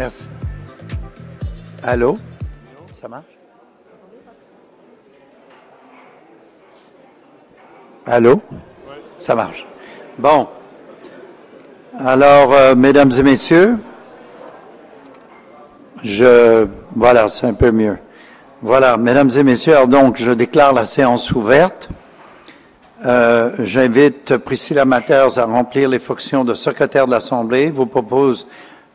Merci. Allô? Allô? Ça marche? Attendez, parce que je... Allô? Oui. Ça marche. Bon. Alors, mesdames et messieurs, je... Voilà, c'est un peu mieux. Voilà, mesdames et messieurs, donc je déclare la séance ouverte. J'invite Priscilla Matters à remplir les fonctions de Secrétaire de l'Assemblée. Je vous propose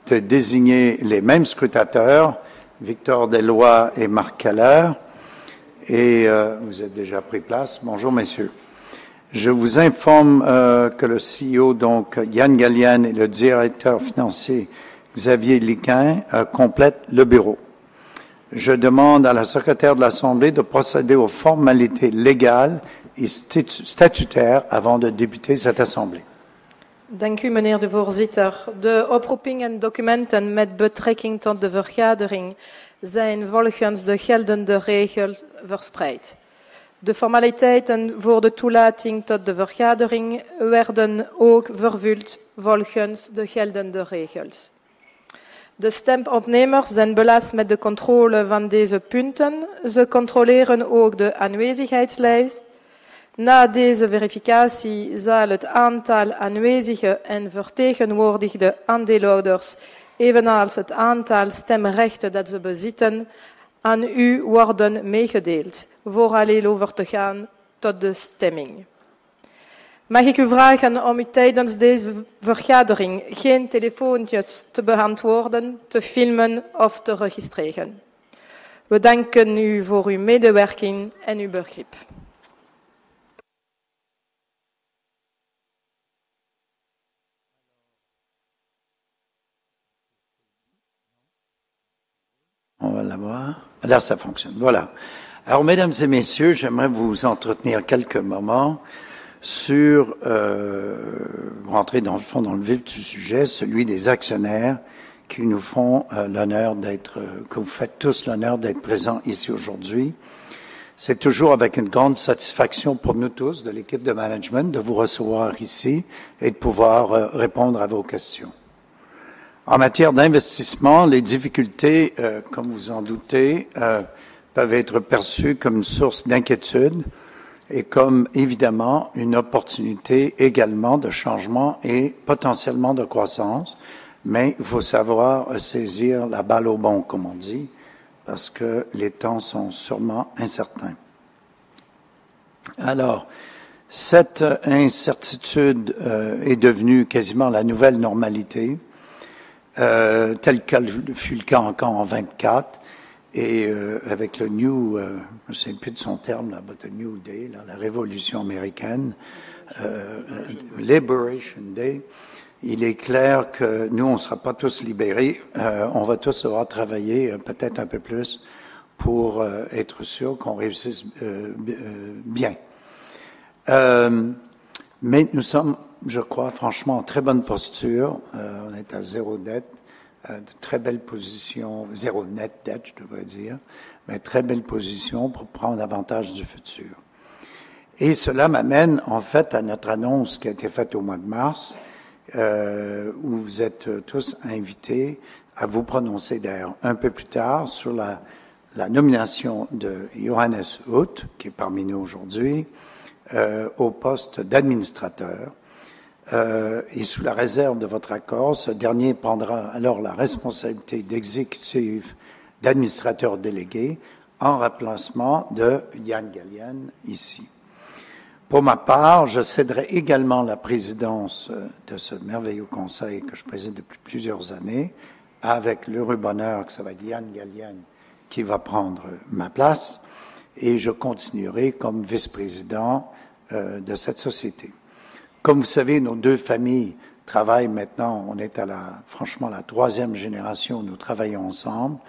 de désigner les mêmes scrutateurs: Victor Deloy et Marc Keller. Et vous avez déjà pris place. Bonjour, messieurs. Je vous informe que le CEO, donc Yann Gallienne, et le Directeur Financier, Xavier Likin, complètent le bureau. Je demande à la Secrétaire de l'Assemblée de procéder aux formalités légales et statutaires avant de débuter cette assemblée. Dank u, meneer de voorzitter. De oproeping en documenten met betrekking tot de vergadering zijn volgens de geldende regels verspreid. De formaliteiten voor de toelating tot de vergadering werden ook vervuld volgens de geldende regels. De stempopnemers zijn belast met de controle van deze punten. Ze controleren ook de aanwezigheidslijst. Na deze verificatie zal het aantal aanwezigen en vertegenwoordigde aandeelhouders, evenals het aantal stemrechten dat ze bezitten, aan u worden meegedeeld, vooraleer u over te gaan tot de stemming. Mag ik u vragen om u tijdens deze vergadering geen telefoontjes te beantwoorden, te filmen of te registreren? We danken u voor uw medewerking en uw begrip. On va l'avoir. Là, ça fonctionne. Voilà. Alors, mesdames et messieurs, j'aimerais vous entretenir quelques moments sur, rentrer dans le fond dans le vif du sujet, celui des actionnaires qui nous font l'honneur d'être, que vous faites tous l'honneur d'être présents ici aujourd'hui. C'est toujours avec une grande satisfaction pour nous tous, de l'équipe de management, de vous recevoir ici et de pouvoir répondre à vos questions. En matière d'investissement, les difficultés, comme vous vous en doutez, peuvent être perçues comme une source d'inquiétude et comme, évidemment, une opportunité également de changement et potentiellement de croissance. Mais il faut savoir saisir la balle au bond, comme on dit, parce que les temps sont sûrement incertains. Alors, cette incertitude est devenue quasiment la nouvelle normalité, telle que fut le cas encore en 2024, et avec le New Day, la révolution américaine, Liberation Day, il est clair que nous, on ne sera pas tous libérés, on va tous devoir travailler peut-être un peu plus pour être sûr qu'on réussisse bien. Mais nous sommes, je crois, franchement, en très bonne posture, on est à zéro dette, de très belle position, zéro net dette, je devrais dire, mais très belle position pour prendre avantage du futur. Et cela m'amène, en fait, à notre annonce qui a été faite au mois de mars, où vous êtes tous invités à vous prononcer d'ailleurs un peu plus tard sur la nomination de Johannes Hutt, qui est parmi nous aujourd'hui, au poste d'administrateur, et sous la réserve de votre accord, ce dernier prendra alors la responsabilité d'exécutif, d'administrateur délégué, en remplacement de Yann Gallienne, ici. Pour ma part, je céderai également la présidence de ce merveilleux conseil que je préside depuis plusieurs années, avec l'heureux bonheur que ça va être Yann Gallienne qui va prendre ma place, et je continuerai comme vice-président de cette société. Comme vous savez, nos deux familles travaillent maintenant, on est à la, franchement, la troisième génération où nous travaillons ensemble,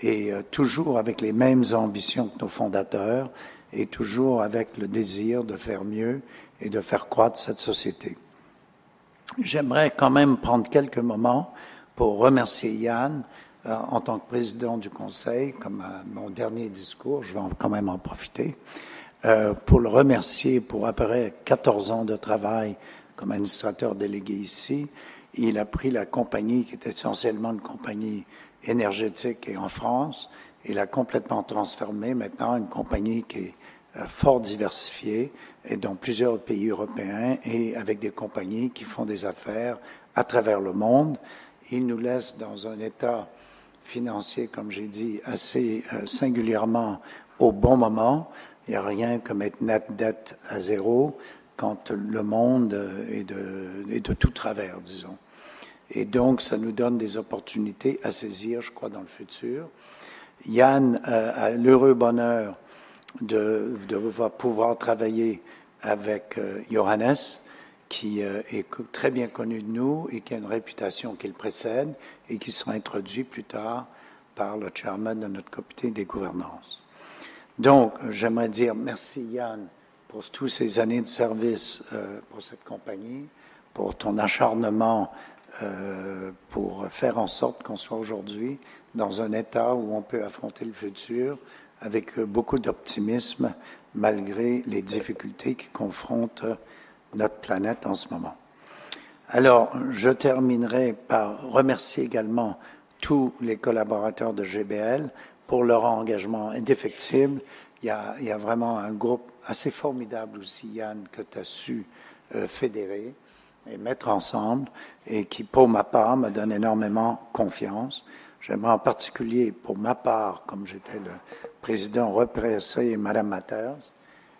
et toujours avec les mêmes ambitions que nos fondateurs, et toujours avec le désir de faire mieux et de faire croître cette société. J'aimerais quand même prendre quelques moments pour remercier Yann en tant que président du conseil, comme mon dernier discours, je vais quand même en profiter pour le remercier pour à peu près 14 ans de travail comme administrateur délégué ici. Il a pris la compagnie qui était essentiellement une compagnie énergétique et en France, et l'a complètement transformée maintenant en une compagnie qui est fort diversifiée et dans plusieurs pays européens, et avec des compagnies qui font des affaires à travers le monde. Il nous laisse dans un état financier, comme j'ai dit, assez singulièrement au bon moment. Il n'y a rien comme être net de dette, à zéro, quand le monde est de travers, disons. Et donc, ça nous donne des opportunités à saisir, je crois, dans le futur. Yann a l'heureux bonheur de pouvoir travailler avec Johannes, qui est très bien connu de nous et qui a une réputation qui le précède et qui sera introduit plus tard par le chairman de notre comité de gouvernance. Donc, j'aimerais dire merci Yann pour toutes ces années de service pour cette compagnie, pour ton acharnement pour faire en sorte qu'on soit aujourd'hui dans un état où on peut affronter le futur avec beaucoup d'optimisme, malgré les difficultés qui confrontent notre planète en ce moment. Alors, je terminerai par remercier également tous les collaborateurs de GBL pour leur engagement indéfectible. Il y a vraiment un groupe assez formidable aussi, Yann, que tu as su fédérer et mettre ensemble, et qui, pour ma part, me donne énormément confiance. J'aimerais en particulier, pour ma part, comme j'étais le président, remercier madame Matters,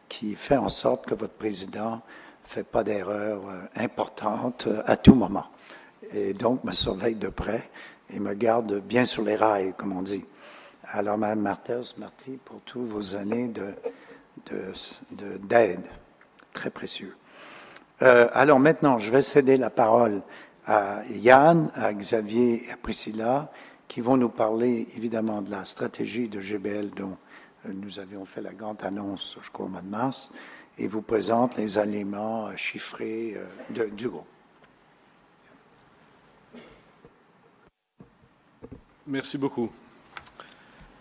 qui fait en sorte que votre président ne fait pas d'erreurs importantes à tout moment, et donc me surveille de près et me garde bien sur les rails, comme on dit. Alors, madame Matters, merci pour toutes vos années d'aide. Très précieux. Alors maintenant, je vais céder la parole à Yann, à Xavier et à Priscilla, qui vont nous parler évidemment de la stratégie de GBL dont nous avions fait la grande annonce, je crois, au mois de mars, et vous présentent les éléments chiffrés de DUO. Merci beaucoup.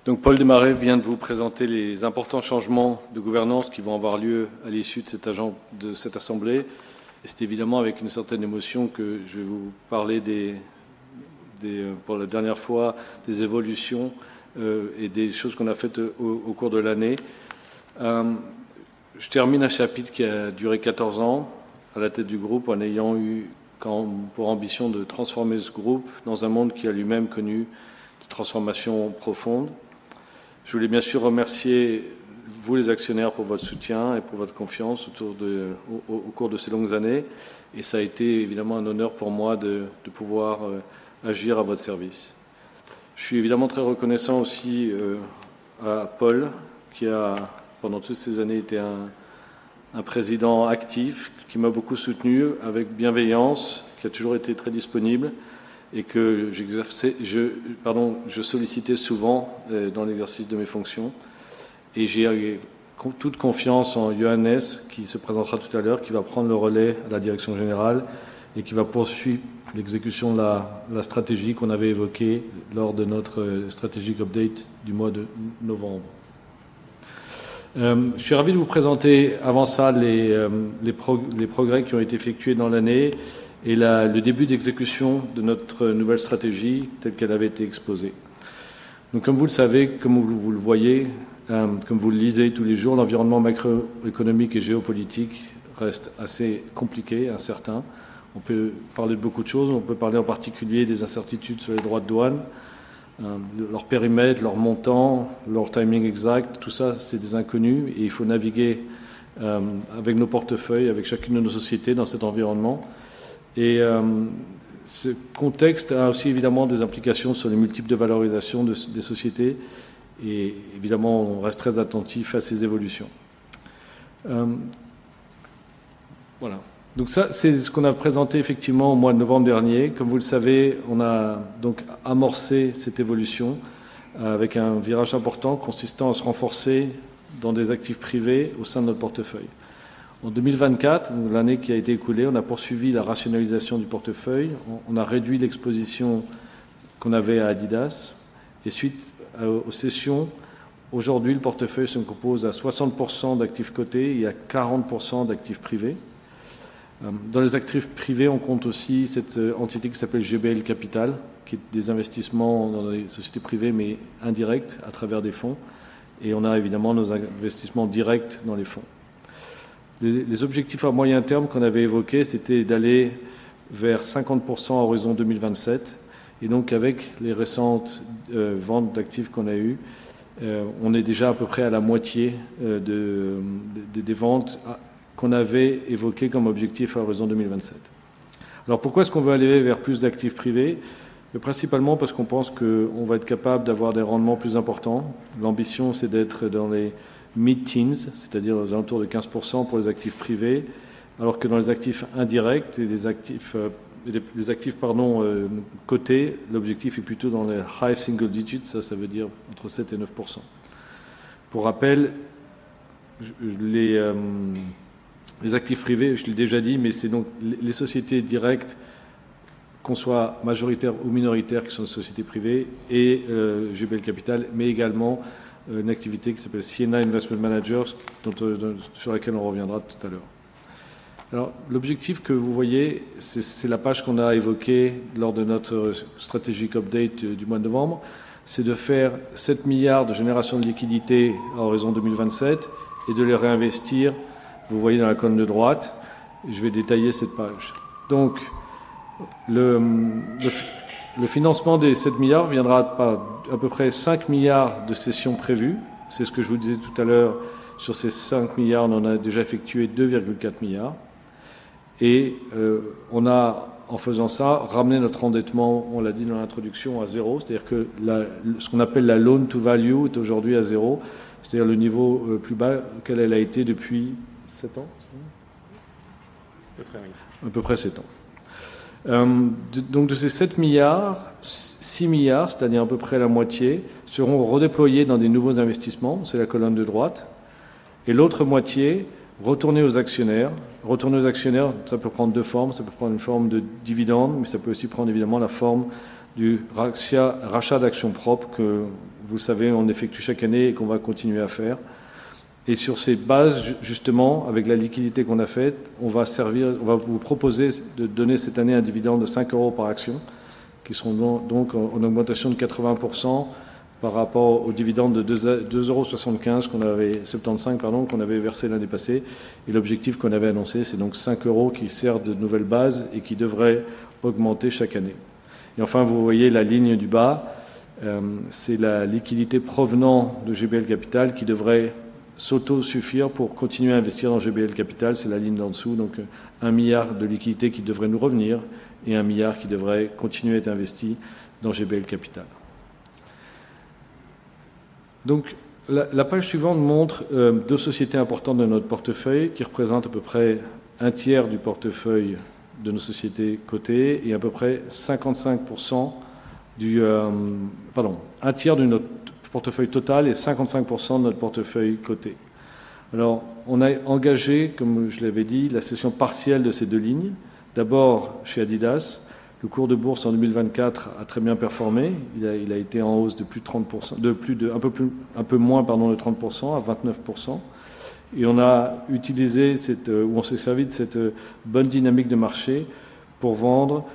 Donc, Paul Desmarais vient de vous présenter les importants changements de gouvernance qui vont avoir lieu à l'issue de cette assemblée. Et c'est évidemment avec une certaine émotion que je vais vous parler, pour la dernière fois, des évolutions et des choses qu'on a faites au cours de l'année. Je termine un chapitre qui a duré 14 ans à la tête du groupe en ayant eu comme ambition de transformer ce groupe dans un monde qui a lui-même connu des transformations profondes. Je voulais bien sûr remercier vous, les actionnaires, pour votre soutien et pour votre confiance au cours de ces longues années, et ça a été évidemment un honneur pour moi de pouvoir agir à votre service. Je suis évidemment très reconnaissant aussi à Paul, qui a, pendant toutes ces années, été un président actif, qui m'a beaucoup soutenu avec bienveillance, qui a toujours été très disponible, et que je sollicitais souvent dans l'exercice de mes fonctions. J'ai toute confiance en Johannes, qui se présentera tout à l'heure, qui va prendre le relais à la direction générale et qui va poursuivre l'exécution de la stratégie qu'on avait évoquée lors de notre strategic update du mois de novembre. Je suis ravi de vous présenter avant ça les progrès qui ont été effectués dans l'année et le début d'exécution de notre nouvelle stratégie telle qu'elle avait été exposée. Donc, comme vous le savez, comme vous le voyez, comme vous le lisez tous les jours, l'environnement macroéconomique et géopolitique reste assez compliqué, incertain. On peut parler de beaucoup de choses. On peut parler en particulier des incertitudes sur les droits de douane, leur périmètre, leur montant, leur timing exact. Tout ça, c'est des inconnues et il faut naviguer avec nos portefeuilles, avec chacune de nos sociétés dans cet environnement. Ce contexte a aussi évidemment des implications sur les multiples de valorisation des sociétés et évidemment, on reste très attentif à ces évolutions. Voilà. Donc ça, c'est ce qu'on a présenté effectivement au mois de novembre dernier. Comme vous le savez, on a donc amorcé cette évolution avec un virage important consistant à se renforcer dans des actifs privés au sein de notre portefeuille. En 2024, donc l'année qui a été écoulée, on a poursuivi la rationalisation du portefeuille. On a réduit l'exposition qu'on avait à Adidas et suite aux cessions, aujourd'hui, le portefeuille se compose à 60% d'actifs cotés et à 40% d'actifs privés. Dans les actifs privés, on compte aussi cette entité qui s'appelle GBL Capital, qui est des investissements dans les sociétés privées, mais indirects à travers des fonds. Et on a évidemment nos investissements directs dans les fonds. Les objectifs à moyen terme qu'on avait évoqués, c'était d'aller vers 50% à horizon 2027. Et donc, avec les récentes ventes d'actifs qu'on a eues, on est déjà à peu près à la moitié des ventes qu'on avait évoquées comme objectif à horizon 2027. Alors, pourquoi est-ce qu'on veut aller vers plus d'actifs privés? Principalement parce qu'on pense qu'on va être capable d'avoir des rendements plus importants. L'ambition, c'est d'être dans les mid teens, c'est-à-dire aux alentours de 15% pour les actifs privés, alors que dans les actifs indirects et les actifs cotés, l'objectif est plutôt dans les high single digits, ça veut dire entre 7 et 9%. Pour rappel, les actifs privés, je l'ai déjà dit, mais c'est donc les sociétés directes, qu'on soit majoritaires ou minoritaires, qui sont des sociétés privées et GBL Capital, mais également une activité qui s'appelle CNI Investment Managers, sur laquelle on reviendra tout à l'heure. Alors, l'objectif que vous voyez, c'est la page qu'on a évoquée lors de notre strategic update du mois de novembre, c'est de faire €7 milliards de génération de liquidités à horizon 2027 et de les réinvestir, vous voyez dans la colonne de droite, et je vais détailler cette page. Donc, le financement des 7 milliards viendra par à peu près 5 milliards de cessions prévues. C'est ce que je vous disais tout à l'heure, sur ces 5 milliards, on en a déjà effectué 2,4 milliards. Et on a, en faisant ça, ramené notre endettement, on l'a dit dans l'introduction, à zéro, c'est-à-dire que ce qu'on appelle la loan to value est aujourd'hui à zéro, c'est-à-dire le niveau le plus bas auquel elle a été depuis 7 ans. À peu près oui. À peu près 7 ans. Donc de ces 7 milliards, 6 milliards, c'est-à-dire à peu près la moitié, seront redéployés dans des nouveaux investissements, c'est la colonne de droite, et l'autre moitié retournée aux actionnaires. Retournée aux actionnaires, ça peut prendre deux formes, ça peut prendre une forme de dividende, mais ça peut aussi prendre évidemment la forme du rachat, rachat d'actions propres que vous le savez, on effectue chaque année et qu'on va continuer à faire. Et sur ces bases, justement, avec la liquidité qu'on a faite, on va servir, on va vous proposer de donner cette année un dividende de 5 € par action, qui seront donc en augmentation de 80% par rapport au dividende de 2,75 € qu'on avait versé l'année passée. L'objectif qu'on avait annoncé, c'est donc 5 € qui servent de nouvelle base et qui devraient augmenter chaque année. Enfin, vous voyez la ligne du bas, c'est la liquidité provenant de GBL Capital qui devrait s'autosuffire pour continuer à investir dans GBL Capital, c'est la ligne d'en dessous, donc 1 milliard € de liquidités qui devrait nous revenir et 1 milliard € qui devrait continuer à être investi dans GBL Capital. Donc, la page suivante montre deux sociétés importantes de notre portefeuille qui représentent à peu près un tiers du portefeuille de nos sociétés cotées et à peu près 55% du, pardon, un tiers de notre portefeuille total et 55% de notre portefeuille coté. Alors, on a engagé, comme je l'avais dit, la cession partielle de ces deux lignes. D'abord chez Adidas, le cours de bourse en 2024 a très bien performé, il a été en hausse de plus de 30%, de 29%. On a utilisé cette bonne dynamique de marché pour vendre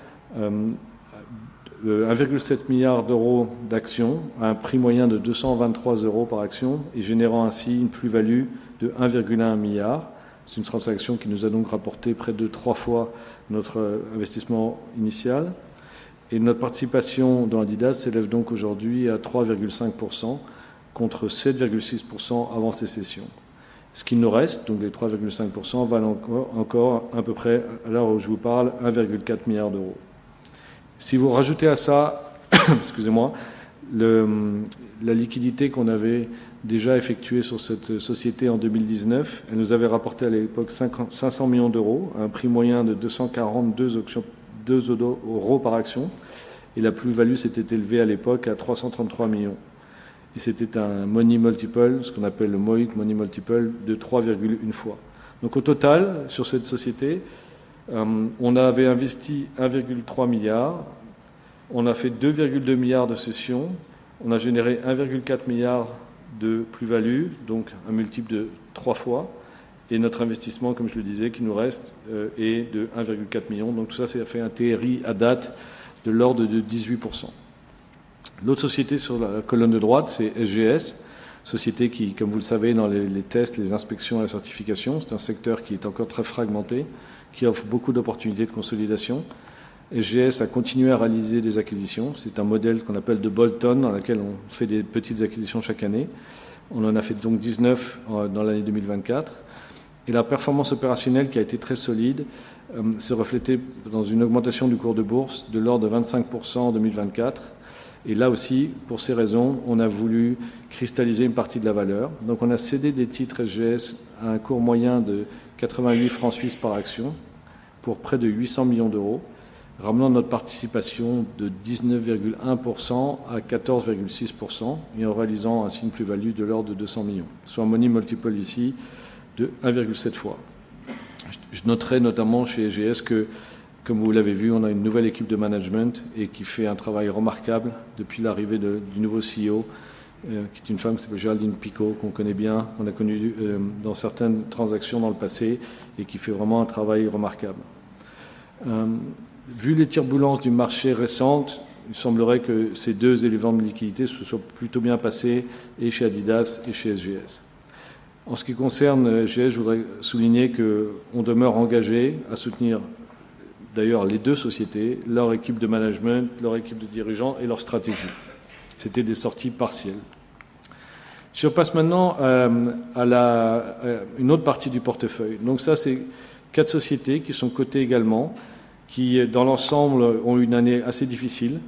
1,7 milliard d'euros d'actions à un prix moyen de 223 euros par action et générant ainsi une plus-value de 1,1 milliard. C'est une transaction qui nous a donc rapporté près de trois fois notre investissement initial. Notre participation dans Adidas s'élève donc aujourd'hui à 3,5% contre 7,6% avant ces cessions. Ce qu'il nous reste, donc les 3,5%, vaut encore à peu près, à l'heure où je vous parle, 1,4 milliard d'euros. Si vous rajoutez à ça, excusez-moi, la liquidité qu'on avait déjà effectuée sur cette société en 2019, elle nous avait rapporté à l'époque €500 millions à un prix moyen de €242 par action et la plus-value s'était élevée à l'époque à €333 millions. Et c'était un money multiple, ce qu'on appelle le MOIC, money multiple de 3,1 fois. Donc, au total, sur cette société, on avait investi €1,3 milliard, on a fait €2,2 milliards de cessions, on a généré €1,4 milliard de plus-value, donc un multiple de trois fois. Et notre investissement, comme je le disais, qui nous reste, est de €1,4 million. Donc tout ça, ça a fait un TRI à date de l'ordre de 18%. L'autre société sur la colonne de droite, c'est SGS, société qui, comme vous le savez, dans les tests, les inspections et la certification, c'est un secteur qui est encore très fragmenté, qui offre beaucoup d'opportunités de consolidation. SGS a continué à réaliser des acquisitions, c'est un modèle qu'on appelle de bolt-on dans lequel on fait des petites acquisitions chaque année. On en a fait donc 19 dans l'année 2024. Et la performance opérationnelle qui a été très solide s'est reflétée dans une augmentation du cours de bourse de l'ordre de 25% en 2024. Et là aussi, pour ces raisons, on a voulu cristalliser une partie de la valeur. Donc, on a cédé des titres SGS à un cours moyen de 88 francs suisses par action pour près de 800 millions d'euros, ramenant notre participation de 19,1% à 14,6% et en réalisant ainsi une plus-value de l'ordre de 200 millions, soit un money multiple ici de 1,7 fois. Je noterai notamment chez SGS que, comme vous l'avez vu, on a une nouvelle équipe de management et qui fait un travail remarquable depuis l'arrivée du nouveau CEO, qui est une femme qui s'appelle Géraldine Picot, qu'on connaît bien, qu'on a connu dans certaines transactions dans le passé et qui fait vraiment un travail remarquable. Vu les turbulences du marché récentes, il semblerait que ces deux éléments de liquidités se soient plutôt bien passés et chez Adidas et chez SGS. En ce qui concerne SGS, je voudrais souligner qu'on demeure engagé à soutenir, d'ailleurs, les deux sociétés, leur équipe de management, leur équipe de dirigeants et leur stratégie. C'était des sorties partielles. Si on passe maintenant à une autre partie du portefeuille. Donc ça, c'est quatre sociétés qui sont cotées également, qui, dans l'ensemble, ont eu une année assez difficile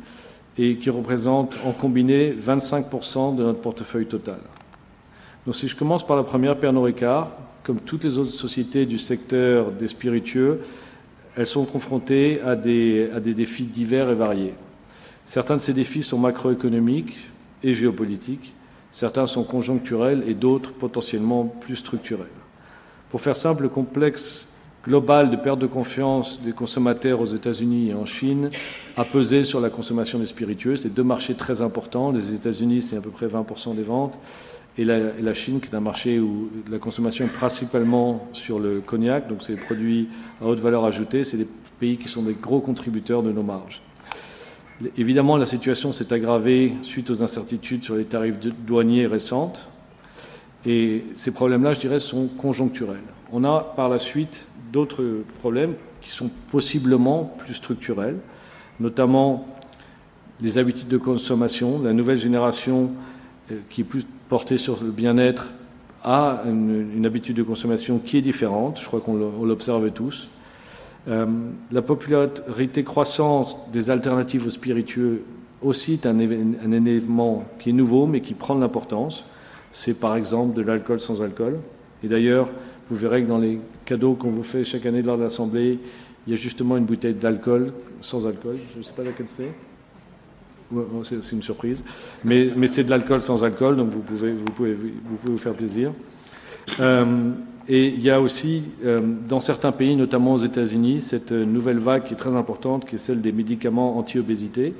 et qui représentent en combiné 25% de notre portefeuille total. Donc, si je commence par la première, Pernod Ricard, comme toutes les autres sociétés du secteur des spiritueux, elles sont confrontées à des défis divers et variés. Certains de ces défis sont macroéconomiques et géopolitiques, certains sont conjoncturels et d'autres potentiellement plus structurels. Pour faire simple, le complexe global de perte de confiance des consommateurs aux États-Unis et en Chine a pesé sur la consommation des spiritueux. C'est deux marchés très importants. Les États-Unis, c'est à peu près 20% des ventes, et la Chine, qui est un marché où la consommation est principalement sur le cognac, donc c'est les produits à haute valeur ajoutée, c'est les pays qui sont des gros contributeurs de nos marges. Évidemment, la situation s'est aggravée suite aux incertitudes sur les tarifs douaniers récents, et ces problèmes-là, je dirais, sont conjoncturels. On a par la suite d'autres problèmes qui sont possiblement plus structurels, notamment les habitudes de consommation. La nouvelle génération, qui est plus portée sur le bien-être, a une habitude de consommation qui est différente. Je crois qu'on l'observe tous. La popularité croissante des alternatives aux spiritueux aussi est un élément qui est nouveau mais qui prend de l'importance. C'est par exemple de l'alcool sans alcool. Et d'ailleurs, vous verrez que dans les cadeaux qu'on vous fait chaque année lors de l'assemblée, il y a justement une bouteille d'alcool sans alcool. Je ne sais pas laquelle c'est. Ouais, c'est une surprise. Mais c'est de l'alcool sans alcool, donc vous pouvez vous faire plaisir. Et il y a aussi, dans certains pays, notamment aux États-Unis, cette nouvelle vague qui est très importante, qui est celle des médicaments anti-obésité,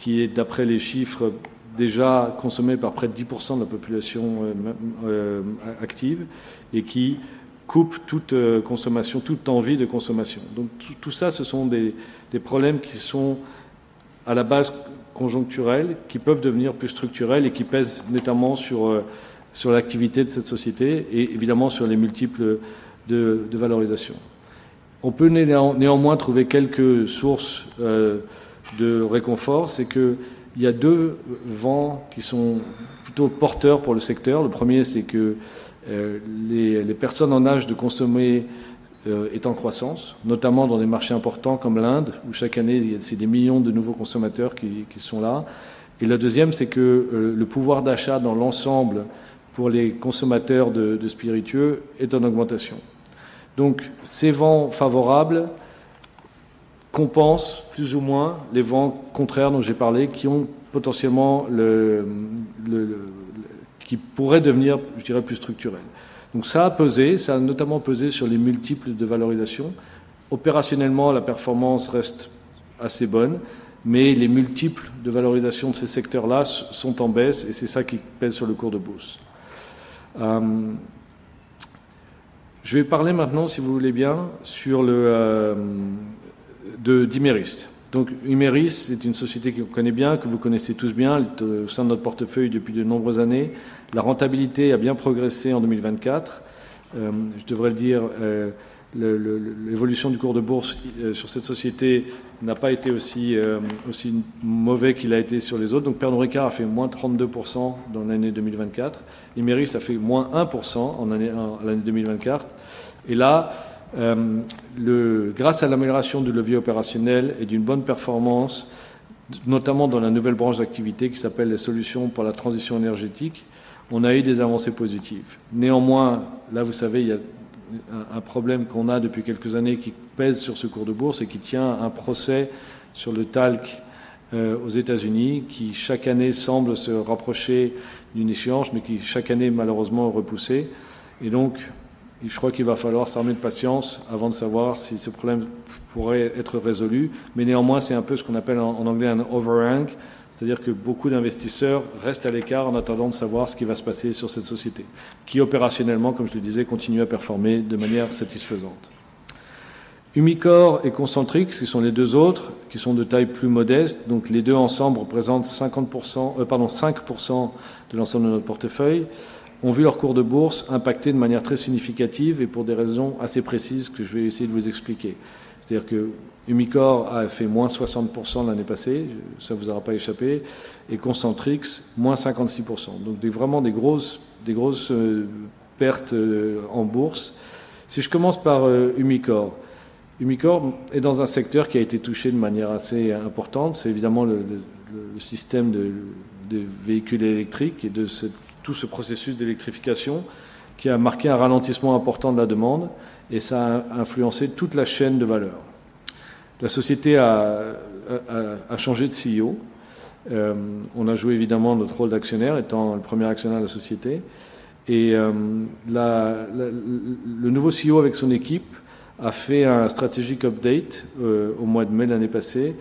qui est, d'après les chiffres, déjà consommée par près de 10% de la population active et qui coupe toute consommation, toute envie de consommation. Donc, tout ça, ce sont des problèmes qui sont à la base conjoncturels, qui peuvent devenir plus structurels et qui pèsent notamment sur l'activité de cette société et évidemment sur les multiples de valorisation. On peut néanmoins trouver quelques sources de réconfort. C'est qu'il y a deux vents qui sont plutôt porteurs pour le secteur. Le premier, c'est que les personnes en âge de consommer est en croissance, notamment dans des marchés importants comme l'Inde, où chaque année, il y a des millions de nouveaux consommateurs qui sont là. Et le deuxième, c'est que le pouvoir d'achat dans l'ensemble pour les consommateurs de spiritueux est en augmentation. Donc, ces vents favorables compensent plus ou moins les vents contraires dont j'ai parlé, qui ont potentiellement le qui pourraient devenir, je dirais, plus structurels. Donc, ça a pesé, ça a notamment pesé sur les multiples de valorisation. Opérationnellement, la performance reste assez bonne, mais les multiples de valorisation de ces secteurs-là sont en baisse et c'est ça qui pèse sur le cours de bourse. Je vais parler maintenant, si vous voulez bien, sur Imeris. Donc, Imeris, c'est une société qu'on connaît bien, que vous connaissez tous bien, elle est au sein de notre portefeuille depuis de nombreuses années. La rentabilité a bien progressé en 2024. Je devrais le dire, l'évolution du cours de bourse sur cette société n'a pas été aussi mauvaise qu'il a été sur les autres. Donc, Pernod Ricard a fait -32% dans l'année 2024. Imeris a fait -1% en l'année 2024. Et là, grâce à l'amélioration du levier opérationnel et d'une bonne performance, notamment dans la nouvelle branche d'activité qui s'appelle les solutions pour la transition énergétique, on a eu des avancées positives. Néanmoins, là, vous savez, il y a un problème qu'on a depuis quelques années qui pèse sur ce cours de bourse et qui tient un procès sur le talc aux États-Unis, qui chaque année semble se rapprocher d'une échéance, mais qui chaque année, malheureusement, est repoussé. Et donc, je crois qu'il va falloir s'armer de patience avant de savoir si ce problème pourrait être résolu. Mais néanmoins, c'est un peu ce qu'on appelle en anglais un overhang, c'est-à-dire que beaucoup d'investisseurs restent à l'écart en attendant de savoir ce qui va se passer sur cette société, qui opérationnellement, comme je le disais, continue à performer de manière satisfaisante. Humicor et Concentrique, ce sont les deux autres qui sont de taille plus modeste. Donc, les deux ensemble représentent 50%, pardon, 5% de l'ensemble de notre portefeuille, ont vu leur cours de bourse impacté de manière très significative et pour des raisons assez précises que je vais essayer de vous expliquer. C'est-à-dire que Humicor a fait moins 60% l'année passée, ça ne vous aura pas échappé, et Concentrique, moins 56%. Donc, des vraiment des grosses pertes en bourse. Si je commence par Humicor, Humicor est dans un secteur qui a été touché de manière assez importante. C'est évidemment le système de véhicules électriques et de ce, tout ce processus d'électrification qui a marqué un ralentissement important de la demande et ça a influencé toute la chaîne de valeur. La société a changé de CEO. On a joué évidemment notre rôle d'actionnaire étant le premier actionnaire de la société et le nouveau CEO avec son équipe a fait un strategic update au mois de mai de l'année passée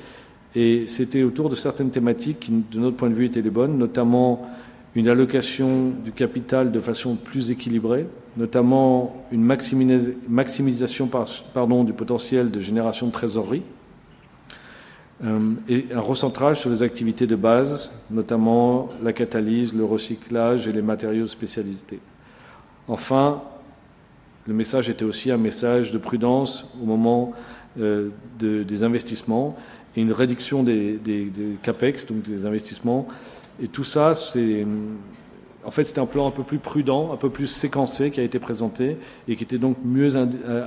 et c'était autour de certaines thématiques qui, de notre point de vue, étaient les bonnes, notamment une allocation du capital de façon plus équilibrée, notamment une maximisation du potentiel de génération de trésorerie, et un recentrage sur les activités de base, notamment la catalyse, le recyclage et les matériaux de spécialité. Enfin, le message était aussi un message de prudence au moment des investissements et une réduction des capex, donc des investissements. Et tout ça, c'est, en fait, c'était un plan un peu plus prudent, un peu plus séquencé qui a été présenté et qui était donc mieux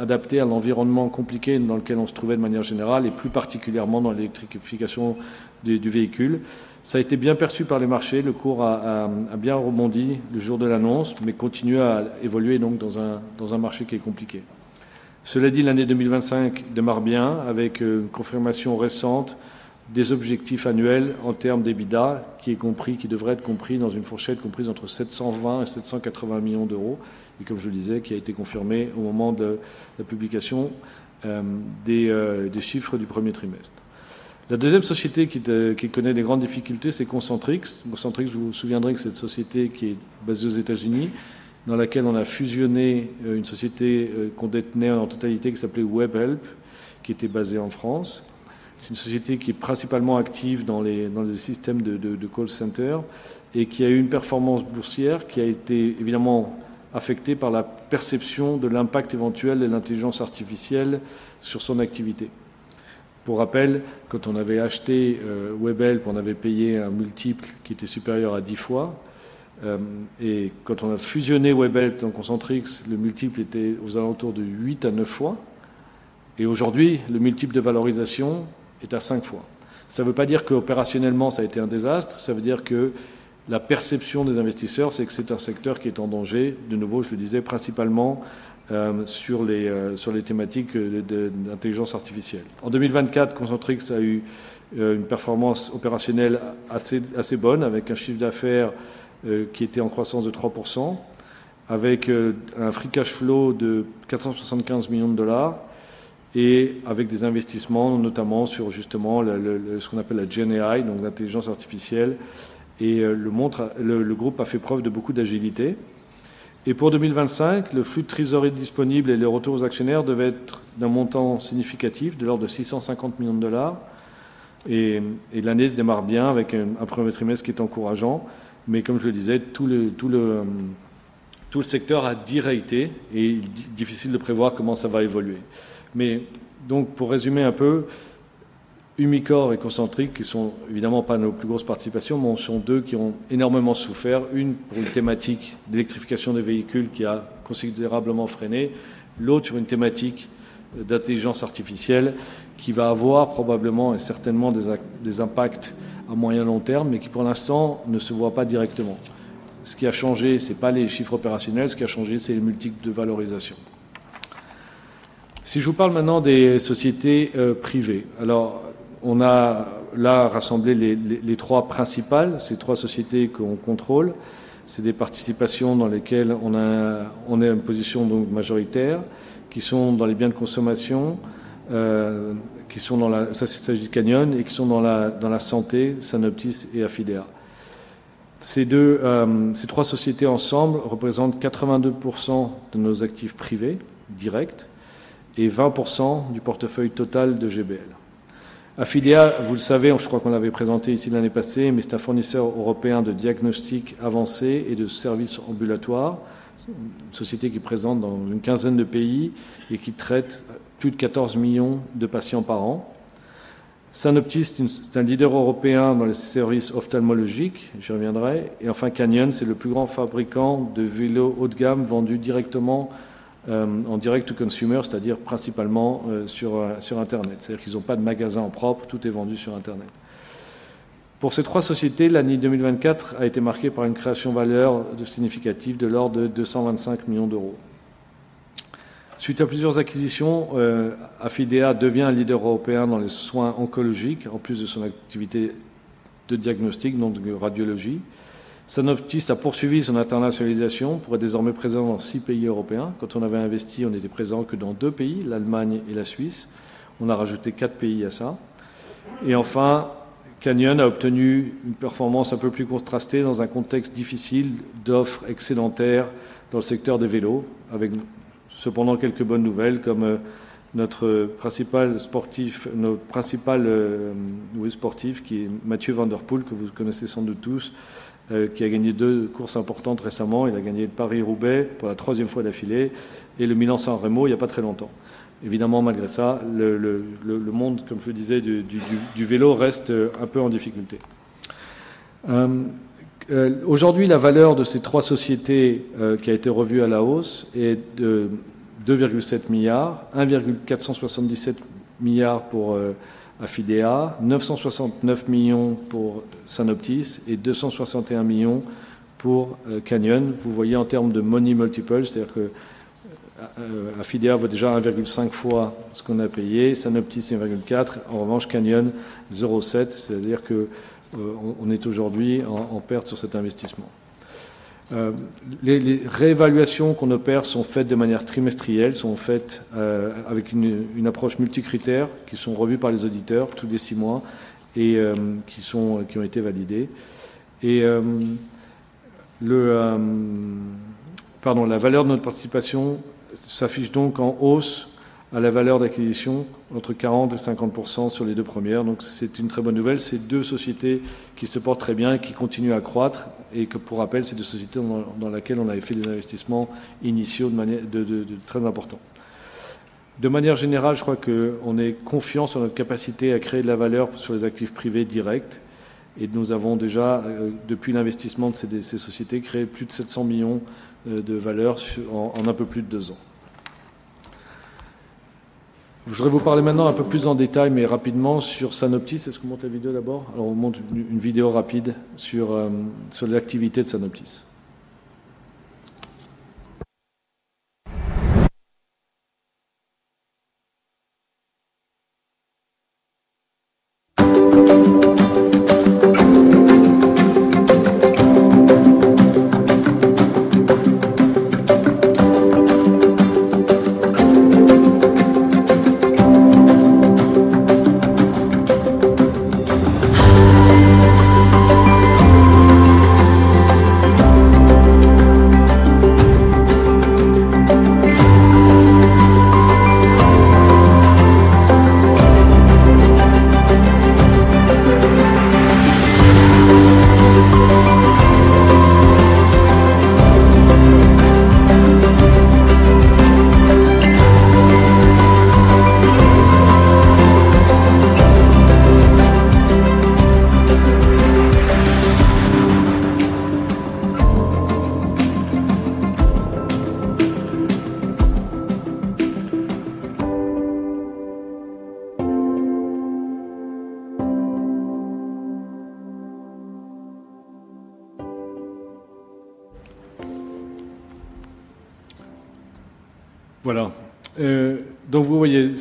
adapté à l'environnement compliqué dans lequel on se trouvait de manière générale et plus particulièrement dans l'électrification du véhicule. Ça a été bien perçu par les marchés, le cours a bien rebondi le jour de l'annonce, mais continue à évoluer donc dans un marché qui est compliqué. Cela dit, l'année 2025 démarre bien avec une confirmation récente des objectifs annuels en termes d'EBITDA, qui est compris, qui devrait être compris dans une fourchette comprise entre €720 et €780 millions et, comme je vous le disais, qui a été confirmé au moment de la publication des chiffres du premier trimestre. La deuxième société qui connaît des grandes difficultés, c'est Concentrique. Concentrique, je vous rappellerai que c'est une société qui est basée aux États-Unis, dans laquelle on a fusionné une société qu'on détenait en totalité, qui s'appelait Webhelp, qui était basée en France. C'est une société qui est principalement active dans les systèmes de call center et qui a eu une performance boursière qui a été évidemment affectée par la perception de l'impact éventuel de l'intelligence artificielle sur son activité. Pour rappel, quand on avait acheté Webhelp, on avait payé un multiple qui était supérieur à 10 fois, et quand on a fusionné Webhelp dans Concentrique, le multiple était aux alentours de 8 à 9 fois et aujourd'hui, le multiple de valorisation est à 5 fois. Ça ne veut pas dire qu'opérationnellement, ça a été un désastre. Ça veut dire que la perception des investisseurs, c'est que c'est un secteur qui est en danger. De nouveau, je le disais, principalement sur les thématiques d'intelligence artificielle. En 2024, Concentrique a eu une performance opérationnelle assez bonne avec un chiffre d'affaires qui était en croissance de 3%, avec un free cash flow de $475 millions et avec des investissements, notamment sur justement ce qu'on appelle la Gen AI, donc l'intelligence artificielle. Le groupe a fait preuve de beaucoup d'agilité. Pour 2025, le flux de trésorerie disponible et les retours aux actionnaires devaient être d'un montant significatif de l'ordre de $650 millions. L'année se démarre bien avec un premier trimestre qui est encourageant. Mais comme je le disais, tout le secteur a dit réité et il est difficile de prévoir comment ça va évoluer. Mais donc, pour résumer un peu, Humicor et Concentrique, qui ne sont évidemment pas nos plus grosses participations, mais sont deux qui ont énormément souffert, une pour une thématique d'électrification des véhicules qui a considérablement freiné, l'autre sur une thématique d'intelligence artificielle qui va avoir probablement et certainement des impacts à moyen long terme, mais qui pour l'instant ne se voit pas directement. Ce qui a changé, ce n'est pas les chiffres opérationnels, ce qui a changé, c'est les multiples de valorisation. Si je vous parle maintenant des sociétés privées, alors on a là rassemblé les trois principales, ces trois sociétés qu'on contrôle. C'est des participations dans lesquelles on est en position donc majoritaire qui sont dans les biens de consommation, qui sont dans la... ça s'agit du Canyon et qui sont dans la santé, Sanoptis et Afidea. Ces deux, ces trois sociétés ensemble représentent 82% de nos actifs privés directs et 20% du portefeuille total de GBL. Afidea, vous le savez, je crois qu'on l'avait présenté ici l'année passée, mais c'est un fournisseur européen de diagnostic avancé et de services ambulatoires, une société qui est présente dans une quinzaine de pays et qui traite plus de 14 millions de patients par an. Sanoptis, c'est un leader européen dans les services ophtalmologiques, j'y reviendrai. Et enfin, Canyon, c'est le plus grand fabricant de vélos haut de gamme vendu directement en direct to consumer, c'est-à-dire principalement sur Internet. C'est-à-dire qu'ils n'ont pas de magasin propre, tout est vendu sur Internet. Pour ces trois sociétés, l'année 2024 a été marquée par une création de valeur significative de l'ordre de 225 millions d'euros. Suite à plusieurs acquisitions, Afidea devient un leader européen dans les soins oncologiques en plus de son activité de diagnostic, donc de radiologie. Sanoptis a poursuivi son internationalisation, pour être désormais présent dans six pays européens. Quand on avait investi, on n'était présent que dans deux pays, l'Allemagne et la Suisse. On a rajouté quatre pays à ça. Enfin, Canyon a obtenu une performance un peu plus contrastée dans un contexte difficile d'offre excédentaire dans le secteur des vélos, avec cependant quelques bonnes nouvelles comme nos principaux sportifs, qui est Mathieu Van Der Poel, que vous connaissez sans doute tous, qui a gagné deux courses importantes récemment. Il a gagné Paris-Roubaix pour la troisième fois d'affilée et le Milan-San Remo il n'y a pas très longtemps. Évidemment, malgré ça, le monde, comme je le disais, du vélo reste un peu en difficulté. Aujourd'hui, la valeur de ces trois sociétés qui a été revue à la hausse est de €2,7 milliards, €1,477 milliards pour Afidea, €969 millions pour Sanoptis et €261 millions pour Canyon. Vous voyez, en termes de money multiple, c'est-à-dire qu'Afidea vaut déjà 1,5 fois ce qu'on a payé, Sanoptis 1,4. En revanche, Canyon 0,7, c'est-à-dire que l'on est aujourd'hui en perte sur cet investissement. Les réévaluations qu'on opère sont faites de manière trimestrielle, sont faites avec une approche multicritère qui sont revues par les auditeurs tous les six mois et qui ont été validées. La valeur de notre participation s'affiche donc en hausse à la valeur d'acquisition entre 40% et 50% sur les deux premières. Donc, c'est une très bonne nouvelle. Ce sont deux sociétés qui se portent très bien et qui continuent à croître et que, pour rappel, ce sont deux sociétés dans lesquelles on avait fait des investissements initiaux de manière très importante. De manière générale, je crois que l'on est confiant sur notre capacité à créer de la valeur sur les actifs privés directs et nous avons déjà, depuis l'investissement de ces sociétés, créé plus de 700 millions de valeur en un peu plus de deux ans. Je voudrais vous parler maintenant un peu plus en détail, mais rapidement sur Sanoptis. Est-ce qu'on monte la vidéo d'abord? On monte une vidéo rapide sur l'activité de Sanoptis.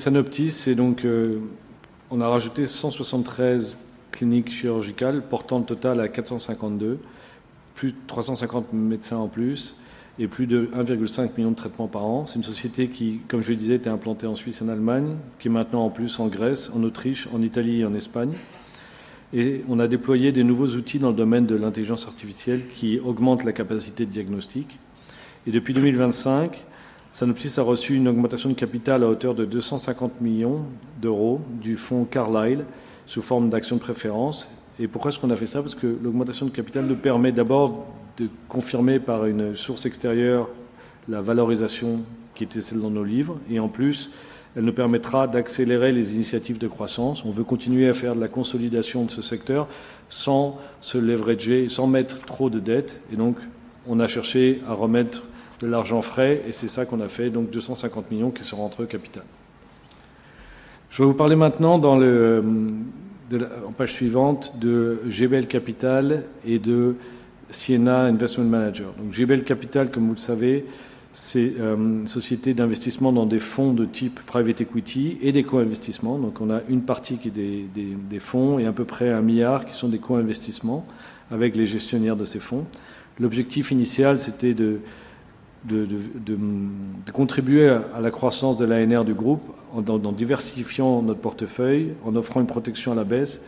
Donc vous voyez, Sanoptis, c'est donc on a rajouté 173 cliniques chirurgicales portant le total à 452, plus de 350 médecins en plus et plus de 1,5 million de traitements par an. C'est une société qui, comme je le disais, était implantée en Suisse et en Allemagne, qui est maintenant en plus en Grèce, en Autriche, en Italie et en Espagne. Et on a déployé des nouveaux outils dans le domaine de l'intelligence artificielle qui augmentent la capacité de diagnostic. Et depuis 2025, Sanoptis a reçu une augmentation de capital à hauteur de €250 millions du fonds Carlyle sous forme d'actions de préférence. Et pourquoi est-ce qu'on a fait ça? Parce que l'augmentation de capital nous permet d'abord de confirmer par une source extérieure la valorisation qui était celle dans nos livres et en plus, elle nous permettra d'accélérer les initiatives de croissance. On veut continuer à faire de la consolidation de ce secteur sans se leverager, sans mettre trop de dettes. Et donc, on a cherché à remettre de l'argent frais et c'est ça qu'on a fait, donc 250 millions d'euros qui sont rentrés au capital. Je vais vous parler maintenant de GBL Capital et de Siena Investment Manager en page suivante. Donc GBL Capital, comme vous le savez, c'est une société d'investissement dans des fonds de type private equity et des co-investissements. On a une partie qui est des fonds et à peu près un milliard d'euros qui sont des co-investissements avec les gestionnaires de ces fonds. L'objectif initial, c'était de contribuer à la croissance de l'ANR du groupe en diversifiant notre portefeuille, en offrant une protection à la baisse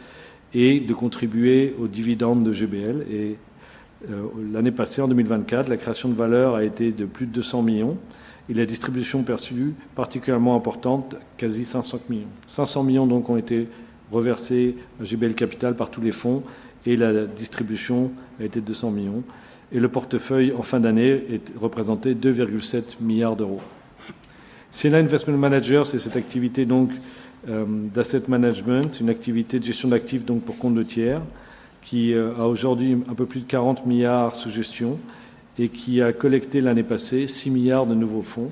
et de contribuer aux dividendes de GBL. L'année passée, en 2024, la création de valeur a été de plus de €200 millions et la distribution perçue particulièrement importante, quasi €500 millions. €500 millions donc ont été reversés à GBL Capital par tous les fonds et la distribution a été de €200 millions. Le portefeuille en fin d'année est représenté de €2,7 milliards. Siena Investment Manager, c'est cette activité donc d'asset management, une activité de gestion d'actifs donc pour compte de tiers qui a aujourd'hui un peu plus de €40 milliards sous gestion et qui a collecté l'année passée €6 milliards de nouveaux fonds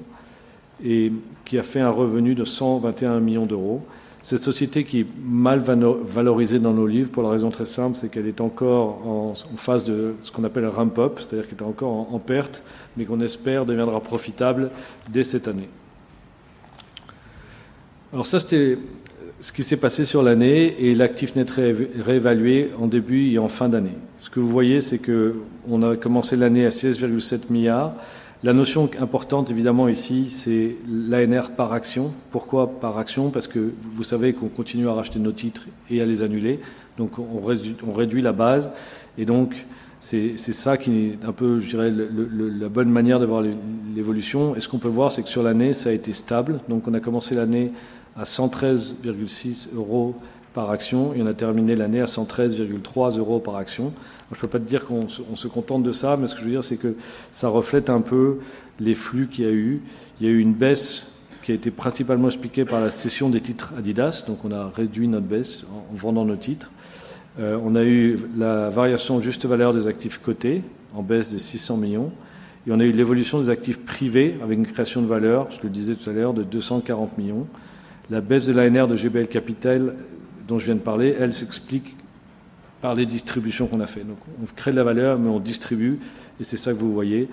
et qui a fait un revenu de €121 millions. Cette société qui est mal valorisée dans nos livres pour la raison très simple, c'est qu'elle est encore en phase de ce qu'on appelle ramp up, c'est-à-dire qu'elle est encore en perte, mais qu'on espère deviendra profitable dès cette année. Alors ça, c'était ce qui s'est passé sur l'année et l'actif n'est réévalué en début et en fin d'année. Ce que vous voyez, c'est que l'on a commencé l'année à €16,7 milliards. La notion importante, évidemment ici, c'est l'ANR par action. Pourquoi par action? Parce que vous savez qu'on continue à racheter nos titres et à les annuler. Donc on réduit la base et donc c'est ça qui est un peu, je dirais, la bonne manière de voir l'évolution. Et ce qu'on peut voir, c'est que sur l'année, ça a été stable. Donc on a commencé l'année à €113,6 par action et on a terminé l'année à €113,3 par action. Je ne peux pas te dire qu'on se contente de ça, mais ce que je veux dire, c'est que ça reflète un peu les flux qu'il y a eu. Il y a eu une baisse qui a été principalement expliquée par la cession des titres Adidas. Donc on a réduit notre baisse en vendant nos titres. On a eu la variation juste valeur des actifs cotés en baisse de €600 millions et on a eu l'évolution des actifs privés avec une création de valeur, je le disais tout à l'heure, de €240 millions. La baisse de l'ANR de GBL Capital dont je viens de parler, elle s'explique par les distributions qu'on a faites. Donc on crée de la valeur, mais on distribue et c'est ça que vous voyez.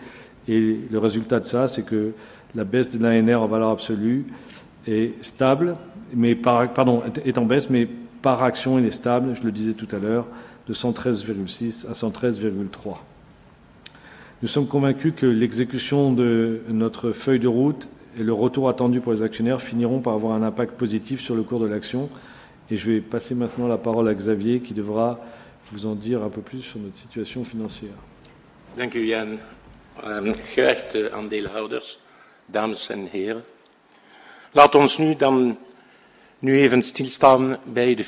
Et le résultat de ça, c'est que la baisse de l'ANR en valeur absolue est en baisse, mais par action, elle est stable, je le disais tout à l'heure, de €113,6 à €113,3. Nous sommes convaincus que l'exécution de notre feuille de route et le retour attendu pour les actionnaires finiront par avoir un impact positif sur le cours de l'action. Je vais maintenant passer la parole à Xavier qui va vous en dire un peu plus sur notre situation financière. Merci, Jan. Mesdames et messieurs, permettez-moi de m'arrêter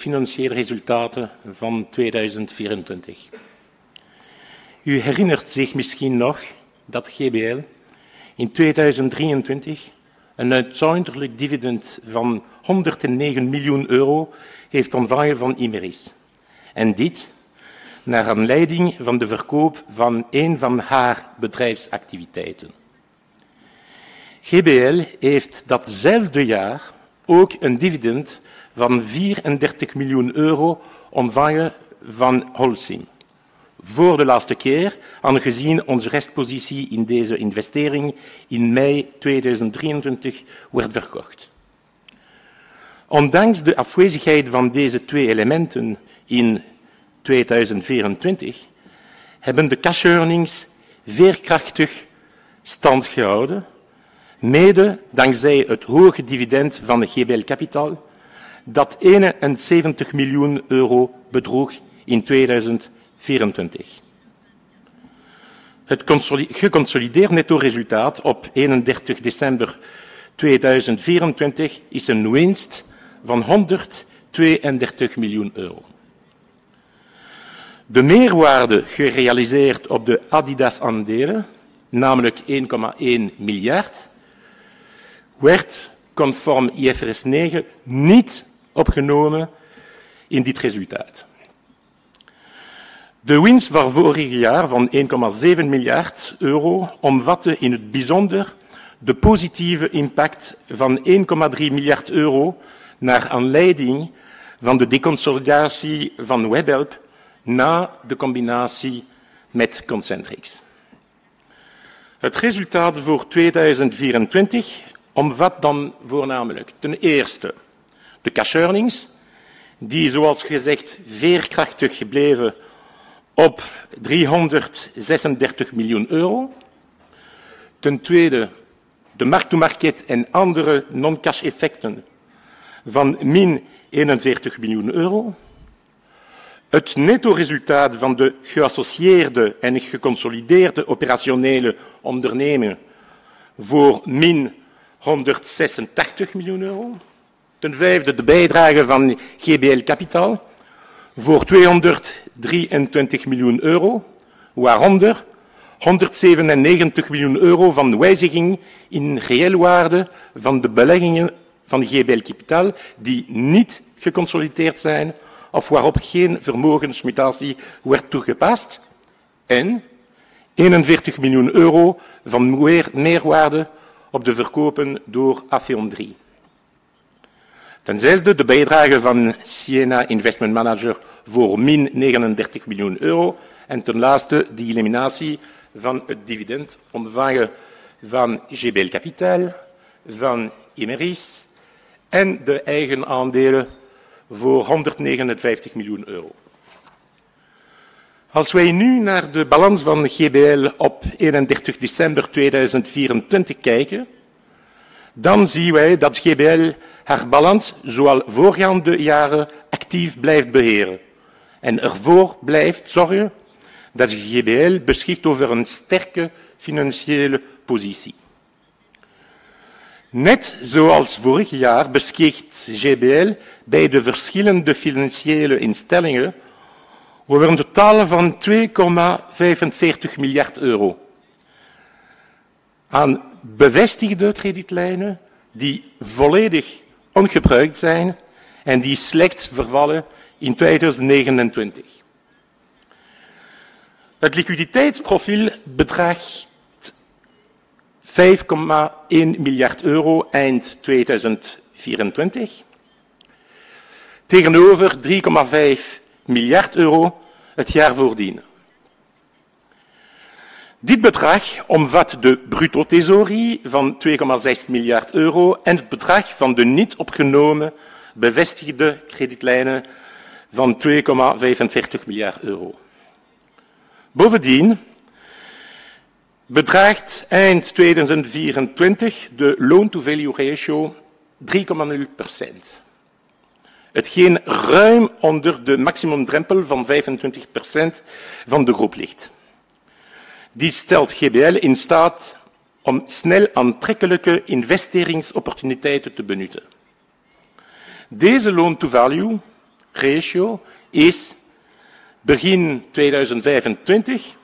maintenant sur les résultats financiers de 2024. Vous vous souvenez peut-être que GBL a reçu en 2023 un dividende exceptionnel de €109 millions d'Imerys, suite à la vente d'une de ses activités commerciales. GBL a également reçu cette même année un dividende de €34 millions d'Holcim, pour la dernière fois puisque notre position résiduelle dans cet investissement a été vendue en mai 2023. Ondanks de afwezigheid van deze twee elementen in 2024 hebben de kasseurnings veerkrachtig stand gehouden, mede dankzij het hoge dividend van GBL Capital dat €71 miljoen bedroeg in 2024. Het geconsolideerd nettoresultaat op 31 december 2024 is een winst van €132 miljoen. De meerwaarde gerealiseerd op de Adidas-aandelen, namelijk €1,1 miljard, werd conform IFRS 9 niet opgenomen in dit resultaat. De winst van vorig jaar van €1,7 miljard omvatte in het bijzonder de positieve impact van €1,3 miljard naar aanleiding van de deconsolidatie van Webhelp na de combinatie met Concentrix. Het resultaat voor 2024 omvat dan voornamelijk, ten eerste, de kasseurnings, die zoals gezegd veerkrachtig gebleven op €336 miljoen. Ten tweede, de mark-to-market en andere non-cash effecten van min €41 miljoen. Het nettoresultaat van de geassocieerde en geconsolideerde operationele onderneming voor min €186 miljoen. Ten vijfde, de bijdrage van GBL Capital voor €223 miljoen, waaronder €197 miljoen van wijziging in reële waarde van de beleggingen van GBL Capital die niet geconsolideerd zijn of waarop geen vermogensmutatie werd toegepast, en €41 miljoen van meerwaarde op de verkopen door Afeon 3. Ten zesde, de bijdrage van Siena Investment Manager voor min €39 miljoen. Ten laatste, de eliminatie van het dividend ontvangen van GBL Capital, van Imerys en de eigen aandelen voor €159 miljoen. Als wij nu naar de balans van GBL op 31 december 2024 kijken, dan zien wij dat GBL haar balans zoals voorgaande jaren actief blijft beheren en ervoor blijft zorgen dat GBL beschikt over een sterke financiële positie. Net zoals vorig jaar beschikt GBL bij de verschillende financiële instellingen over een totaal van €2,45 miljard aan bevestigde kredietlijnen die volledig ongebruikt zijn en die slechts vervallen in 2029. Het liquiditeitsprofiel bedraagt €5,1 miljard eind 2024, tegenover €3,5 miljard het jaar voordien. Dit bedrag omvat de brutotesorie van €2,6 miljard en het bedrag van de niet-opgenomen bevestigde kredietlijnen van €2,45 miljard. Bovendien bedraagt eind 2024 de loan-to-value ratio 3,0%, hetgeen ruim onder de maximum drempel van 25% van de groep ligt. Dit stelt GBL in staat om snel aantrekkelijke investeringsopportuniteiten te benutten. Deze loan-to-value ratio is begin 2025,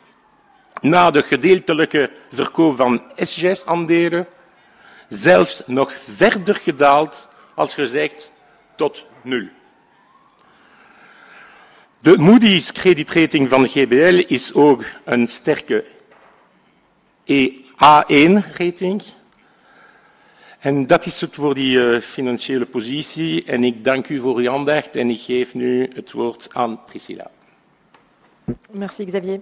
na de gedeeltelijke verkoop van SGS-aandelen, zelfs nog verder gedaald, als gezegd, tot nul. De Moody's credit rating van GBL is ook een sterke A1-rating en dat is het voor die financiële positie. En ik dank u voor uw aandacht en ik geef nu het woord aan Priscilla. Merci Xavier.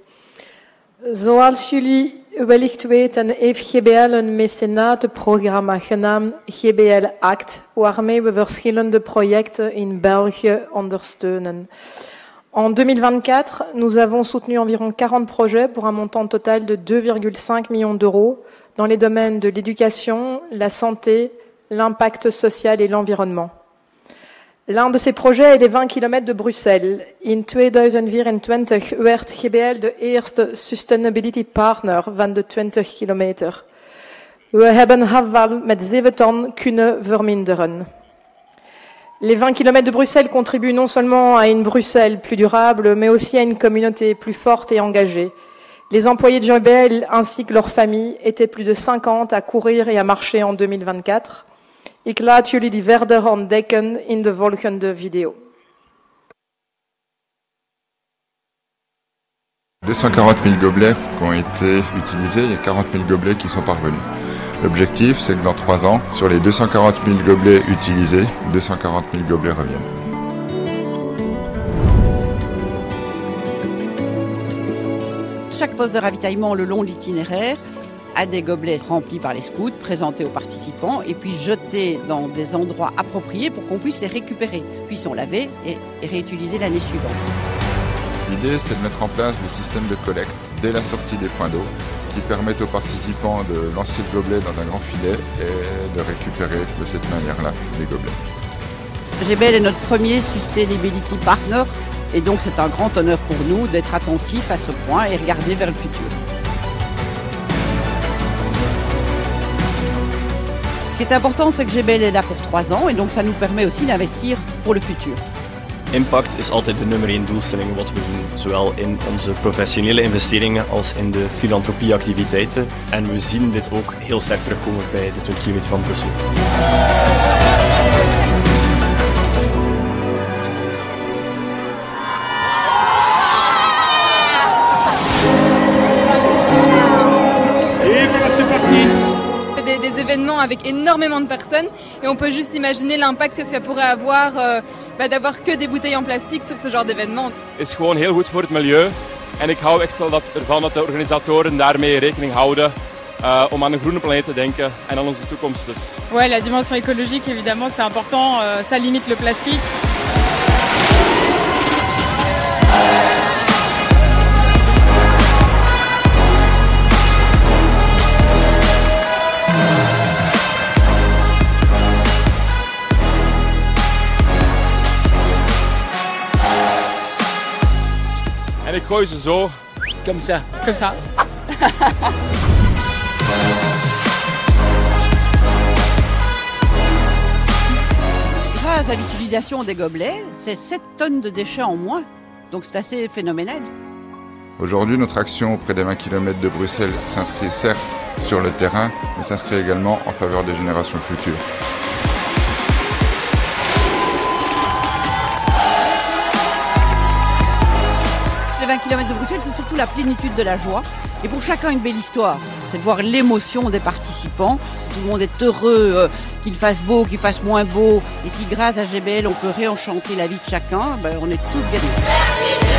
Zoals jullie wellicht weten, heeft GBL een mecenatenprogramma genaamd GBL Act, waarmee we verschillende projecten in België ondersteunen. En 2024, nous avons soutenu environ 40 projets pour un montant total de €2,5 millions dans les domaines de l'éducation, la santé, l'impact social et l'environnement. L'un de ces projets est les 20 km de Bruxelles. In 2020 werd GBL de eerste sustainability partner van de 20 km. We hebben haar wel met zeven ton kunnen verminderen. Les 20 km de Bruxelles contribuent non seulement à une Bruxelles plus durable, mais aussi à une communauté plus forte et engagée. Les employés de GBL, ainsi que leurs familles, étaient plus de 50 à courir et à marcher en 2024. Ik laat jullie die verder ontdekken in de volgende video. 240 000 gobelets qui ont été utilisés, il y a 40 000 gobelets qui sont parvenus. L'objectif, c'est que dans 3 ans, sur les 240 000 gobelets utilisés, 240 000 gobelets reviennent. Chaque poste de ravitaillement le long de l'itinéraire a des gobelets remplis par les scouts, présentés aux participants et puis jetés dans des endroits appropriés pour qu'on puisse les récupérer, puis sont lavés et réutilisés l'année suivante. L'idée, c'est de mettre en place des systèmes de collecte dès la sortie des points d'eau, qui permettent aux participants de lancer le gobelet dans un grand filet et de récupérer de cette manière-là les gobelets. GBL est notre premier sustainability partner et donc c'est un grand honneur pour nous d'être attentifs à ce point et regarder vers le futur. Ce qui est important, c'est que GBL est là pour 3 ans et donc ça nous permet aussi d'investir pour le futur. Impact is altijd de nummer één doelstelling wat we doen, zowel in onze professionele investeringen als in de filantropie-activiteiten. En we zien dit ook heel sterk terugkomen bij de 2 km van Brussel. Et voilà, c'est parti! Des événements avec énormément de personnes et on peut juste imaginer l'impact que ça pourrait avoir d'avoir que des bouteilles en plastique sur ce genre d'événement. Het is gewoon heel goed voor het milieu en ik hou echt wel ervan dat de organisatoren daarmee rekening houden om aan een groene planeet te denken en aan onze toekomst dus. Ouais, la dimension écologique, évidemment, c'est important, ça limite le plastique. En ik gooi ze zo. Comme ça. Comme ça. Grâce à l'utilisation des gobelets, c'est 7 tonnes de déchets en moins, donc c'est assez phénoménal. Aujourd'hui, notre action auprès des 20 km de Bruxelles s'inscrit certes sur le terrain, mais s'inscrit également en faveur des générations futures. Les 20 km de Bruxelles, c'est surtout la plénitude de la joie et pour chacun, une belle histoire. C'est de voir l'émotion des participants. Tout le monde est heureux, qu'il fasse beau, qu'il fasse moins beau. Et si grâce à GBL, on peut réenchanter la vie de chacun, on est tous gagnants. Merci GBL!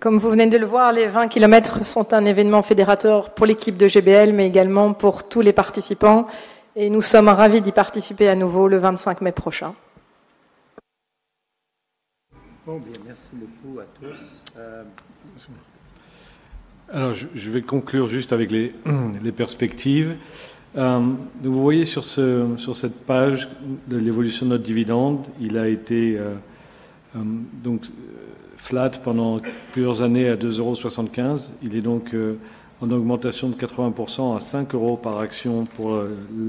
Comme vous venez de le voir, les 20 km sont un événement fédérateur pour l'équipe de GBL, mais également pour tous les participants. Nous sommes ravis d'y participer à nouveau le 25 mai prochain. Bon, bien, merci beaucoup à tous. Alors, je vais conclure juste avec les perspectives. Donc, vous voyez sur cette page l'évolution de notre dividende. Il a été flat pendant plusieurs années à 2,75 €. Il est en augmentation de 80 % à 5 € par action pour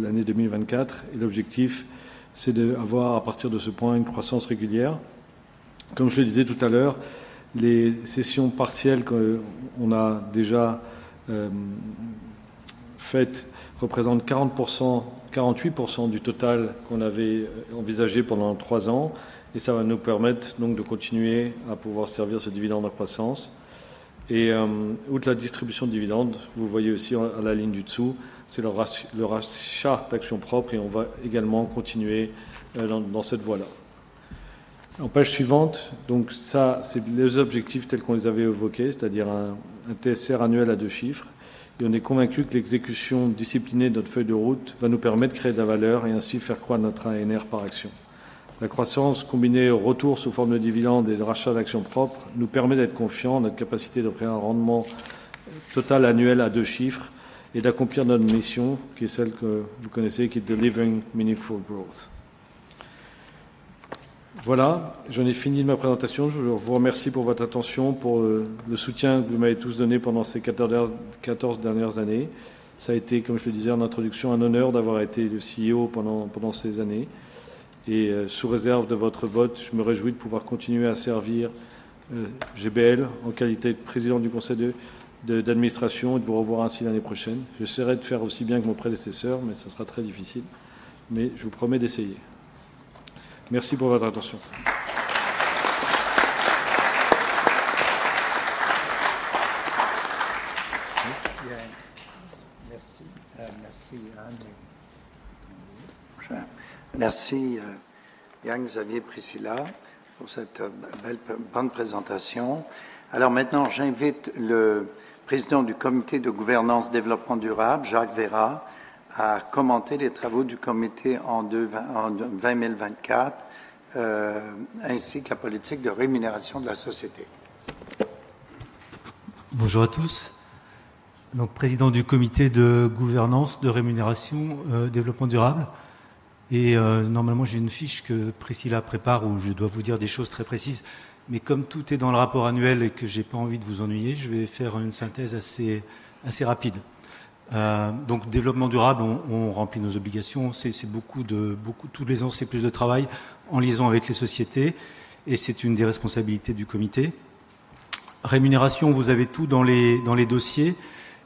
l'année 2024. L'objectif, c'est d'avoir, à partir de ce point, une croissance régulière. Comme je le disais tout à l'heure, les cessions partielles qu'on a déjà faites représentent 48 % du total qu'on avait envisagé pendant 3 ans. Ça va nous permettre de continuer à pouvoir servir ce dividende en croissance. Outre la distribution de dividendes, vous voyez aussi à la ligne du dessous, c'est le rachat d'actions propres et on va également continuer dans cette voie-là. En page suivante, ça, c'est les objectifs tels qu'on les avait évoqués, c'est-à-dire un TSR annuel à deux chiffres. Et on est convaincu que l'exécution disciplinée de notre feuille de route va nous permettre de créer de la valeur et ainsi faire croître notre ANR par action. La croissance combinée au retour sous forme de dividendes et de rachat d'actions propres nous permet d'être confiants en notre capacité d'offrir un rendement total annuel à deux chiffres et d'accomplir notre mission, qui est celle que vous connaissez, qui est the living meaningful growth. J'en ai fini de ma présentation. Je vous remercie pour votre attention, pour le soutien que vous m'avez tous donné pendant ces 14 dernières années. Ça a été, comme je le disais en introduction, un honneur d'avoir été le CEO pendant ces années. Et sous réserve de votre vote, je me réjouis de pouvoir continuer à servir GBL en qualité de Président du Conseil d'Administration et de vous revoir ainsi l'année prochaine. J'essaierai de faire aussi bien que mon prédécesseur, mais ce sera très difficile. Mais je vous promets d'essayer. Merci pour votre attention. Merci. Merci. Merci, Yang, Xavier, Priscilla, pour cette belle présentation. Alors maintenant, j'invite le Président du Comité de Gouvernance Développement Durable, Jacques Veyrat, à commenter les travaux du comité en 2024, ainsi que la politique de rémunération de la société. Bonjour à tous. Président du Comité de Gouvernance de Rémunération Développement Durable. Normalement, j'ai une fiche que Priscilla prépare où je dois vous dire des choses très précises. Mais comme tout est dans le rapport annuel et que je n'ai pas envie de vous ennuyer, je vais faire une synthèse assez rapide. Développement durable, on remplit nos obligations. C'est beaucoup de... Tous les ans, c'est plus de travail en liaison avec les sociétés, et c'est une des responsabilités du comité. Rémunération, vous avez tout dans les dossiers,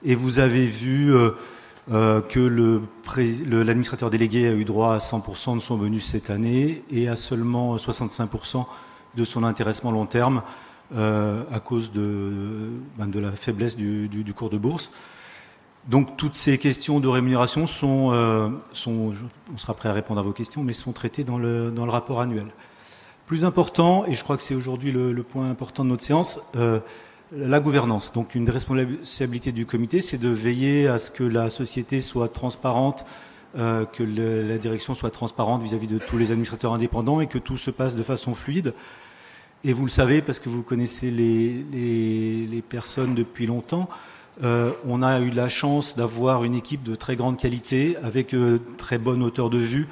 et vous avez vu que l'administrateur délégué a eu droit à 100% de son bonus cette année et à seulement 65% de son intéressement long terme à cause de la faiblesse du cours de bourse. Donc, toutes ces questions de rémunération sont... On sera prêts à répondre à vos questions, mais sont traitées dans le rapport annuel. Plus important, et je crois que c'est aujourd'hui le point important de notre séance, la gouvernance. Donc, une des responsabilités du comité, c'est de veiller à ce que la société soit transparente, que la direction soit transparente vis-à-vis de tous les administrateurs indépendants et que tout se passe de façon fluide. Et vous le savez, parce que vous connaissez les personnes depuis longtemps, on a eu la chance d'avoir une équipe de très grande qualité, avec une très bonne hauteur de vue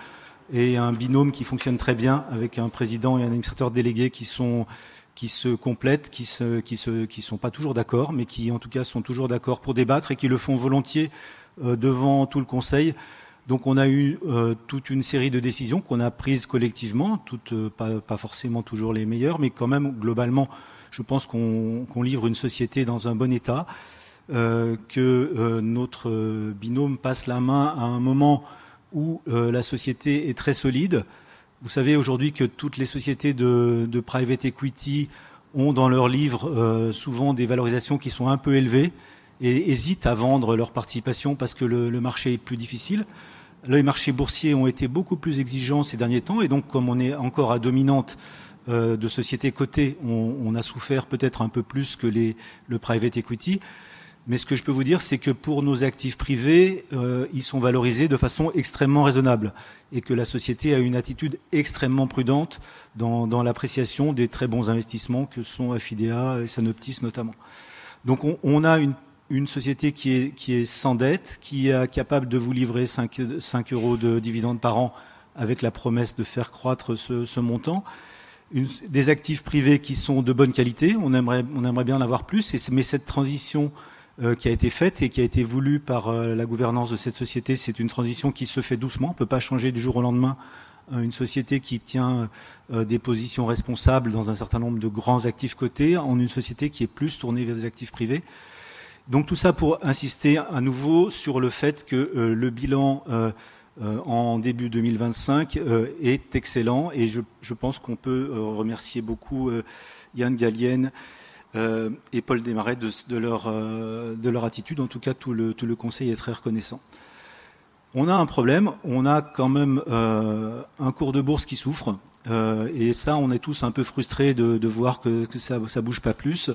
et un binôme qui fonctionne très bien avec un président et un administrateur délégué qui se complètent, qui ne sont pas toujours d'accord, mais qui, en tout cas, sont toujours d'accord pour débattre et qui le font volontiers devant tout le conseil. Donc, on a eu toute une série de décisions qu'on a prises collectivement, toutes pas forcément toujours les meilleures, mais quand même, globalement, je pense qu'on livre une société dans un bon état, que notre binôme passe la main à un moment où la société est très solide. Vous savez aujourd'hui que toutes les sociétés de private equity ont dans leur livre souvent des valorisations qui sont un peu élevées et hésitent à vendre leur participation parce que le marché est plus difficile. Les marchés boursiers ont été beaucoup plus exigeants ces derniers temps et donc, comme on est encore à dominante de sociétés cotées, on a souffert peut-être un peu plus que le private equity. Mais ce que je peux vous dire, c'est que pour nos actifs privés, ils sont valorisés de façon extrêmement raisonnable et que la société a eu une attitude extrêmement prudente dans l'appréciation des très bons investissements que sont Afidea et Sanoptis, notamment. Donc, on a une société qui est sans dette, qui est capable de vous livrer €5 de dividendes par an avec la promesse de faire croître ce montant. Des actifs privés qui sont de bonne qualité, on aimerait bien en avoir plus, mais cette transition qui a été faite et qui a été voulue par la gouvernance de cette société, c'est une transition qui se fait doucement. On ne peut pas changer du jour au lendemain une société qui tient des positions responsables dans un certain nombre de grands actifs cotés en une société qui est plus tournée vers des actifs privés. Donc, tout ça pour insister à nouveau sur le fait que le bilan en début 2025 est excellent et je pense qu'on peut remercier beaucoup Yann Gallien et Paul Desmarais de leur attitude. En tout cas, tout le conseil est très reconnaissant. On a un problème, on a quand même un cours de bourse qui souffre et ça, on est tous un peu frustrés de voir que ça ne bouge pas plus.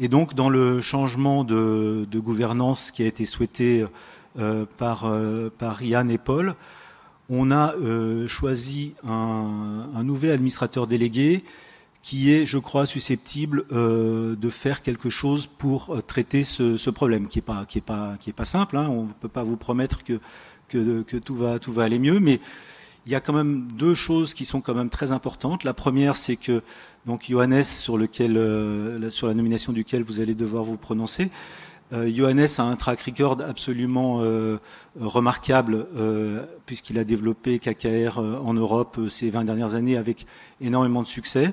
Et donc, dans le changement de gouvernance qui a été souhaité par Yann et Paul, on a choisi un nouvel administrateur délégué qui est, je crois, susceptible de faire quelque chose pour traiter ce problème qui n'est pas simple. On ne peut pas vous promettre que tout va aller mieux, mais il y a quand même deux choses qui sont quand même très importantes. La première, c'est que donc Yoannes, sur la nomination duquel vous allez devoir vous prononcer, Yoannes a un track record absolument remarquable puisqu'il a développé KKR en Europe ces 20 dernières années avec énormément de succès.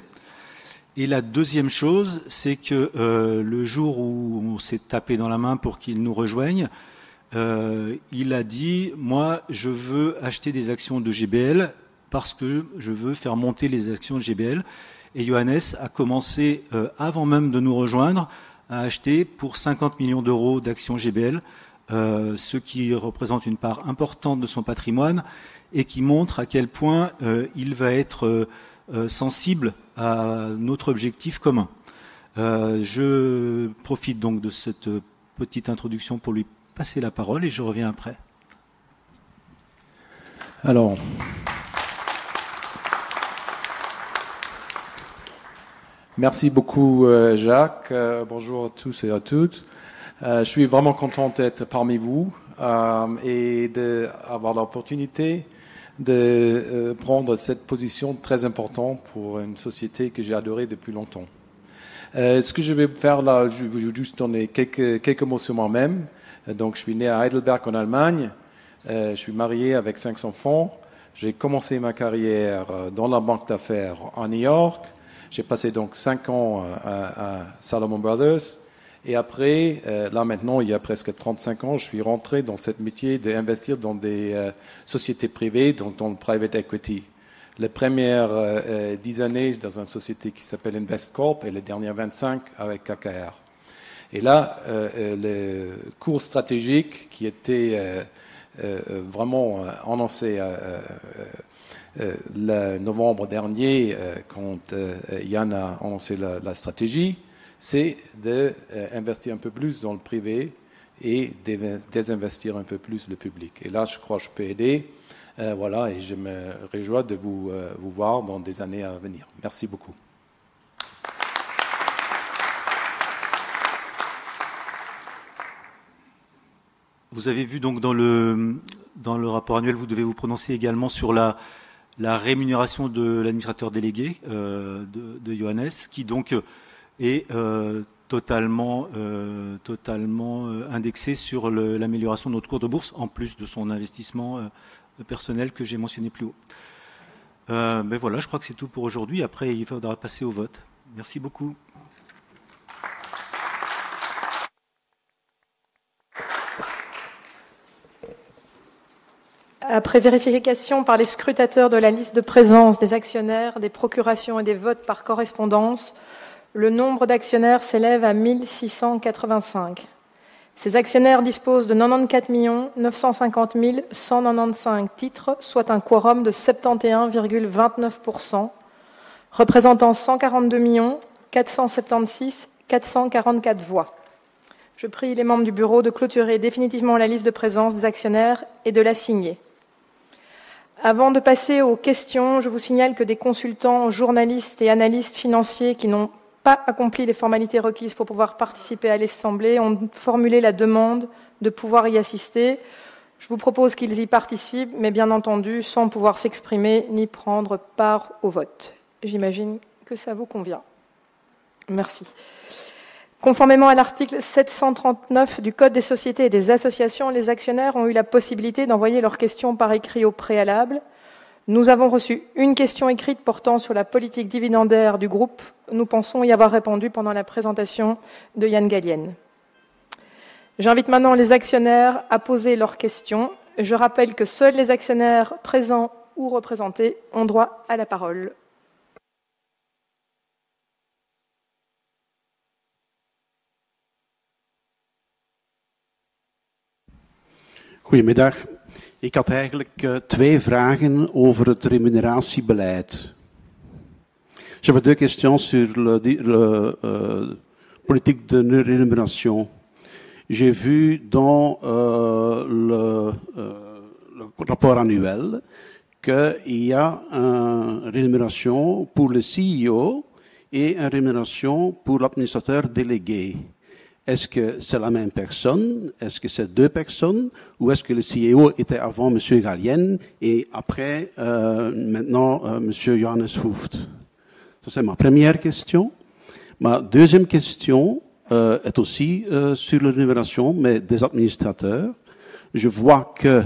Et la deuxième chose, c'est que le jour où on s'est tapé dans la main pour qu'il nous rejoigne, il a dit: « Moi, je veux acheter des actions de GBL parce que je veux faire monter les actions de GBL. » Et Yoannes a commencé, avant même de nous rejoindre, à acheter pour 50 millions d'euros d'actions GBL, ce qui représente une part importante de son patrimoine et qui montre à quel point il va être sensible à notre objectif commun. Je profite donc de cette petite introduction pour lui passer la parole et je reviens après. Merci beaucoup Jacques. Bonjour à tous et à toutes. Je suis vraiment content d'être parmi vous et d'avoir l'opportunité de prendre cette position très importante pour une société que j'ai adorée depuis longtemps. Ce que je vais faire là, je vais juste donner quelques mots sur moi-même. Je suis né à Heidelberg, en Allemagne. Je suis marié avec cinq enfants. J'ai commencé ma carrière dans la banque d'affaires à New York. J'ai passé donc cinq ans à Salomon Brothers. Et après, là maintenant, il y a presque 35 ans, je suis rentré dans ce métier d'investir dans des sociétés privées, dans le private equity. Les premières dix années dans une société qui s'appelle Invest Corp et les dernières 25 avec KKR. Et là, le cours stratégique qui était vraiment annoncé en novembre dernier, quand Yann a annoncé la stratégie, c'est d'investir un peu plus dans le privé et de désinvestir un peu plus le public. Et là, je crois que je peux aider. Voilà, et je me réjouis de vous voir dans des années à venir. Merci beaucoup. Vous avez vu donc dans le rapport annuel, vous devez vous prononcer également sur la rémunération de l'administrateur délégué de Yoannes, qui donc est totalement indexée sur l'amélioration de notre cours de bourse, en plus de son investissement personnel que j'ai mentionné plus haut. Mais voilà, je crois que c'est tout pour aujourd'hui. Après, il faudra passer au vote. Merci beaucoup. Après vérification par les scrutateurs de la liste de présence, des actionnaires, des procurations et des votes par correspondance, le nombre d'actionnaires s'élève à 1 685. Ces actionnaires disposent de 94 950 195 titres, soit un quorum de 71,29%, représentant 142 476 444 voix. Je prie les membres du bureau de clôturer définitivement la liste de présence des actionnaires et de la signer. Avant de passer aux questions, je vous signale que des consultants, journalistes et analystes financiers qui n'ont pas accompli les formalités requises pour pouvoir participer à l'assemblée ont formulé la demande de pouvoir y assister. Je vous propose qu'ils y participent, mais bien entendu sans pouvoir s'exprimer ni prendre part au vote. J'imagine que ça vous convient. Merci. Conformément à l'article 739 du Code des sociétés et des associations, les actionnaires ont eu la possibilité d'envoyer leurs questions par écrit au préalable. Nous avons reçu une question écrite portant sur la politique dividendaire du groupe. Nous pensons y avoir répondu pendant la présentation de Yann Gallien. J'invite maintenant les actionnaires à poser leurs questions. Je rappelle que seuls les actionnaires présents ou représentés ont droit à la parole. Goedemiddag. Ik had eigenlijk twee vragen over het remuneratiebeleid. J'avais deux questions sur la politique de rémunération. J'ai vu dans le rapport annuel qu'il y a une rémunération pour le CEO et une rémunération pour l'Administrateur Délégué. Est-ce que c'est la même personne? Est-ce que c'est deux personnes? Ou est-ce que le CEO était avant Monsieur Gallien et après, maintenant, Monsieur Yoannes Hooft? Ça, c'est ma première question. Ma deuxième question est aussi sur la rémunération, mais des administrateurs. Je vois que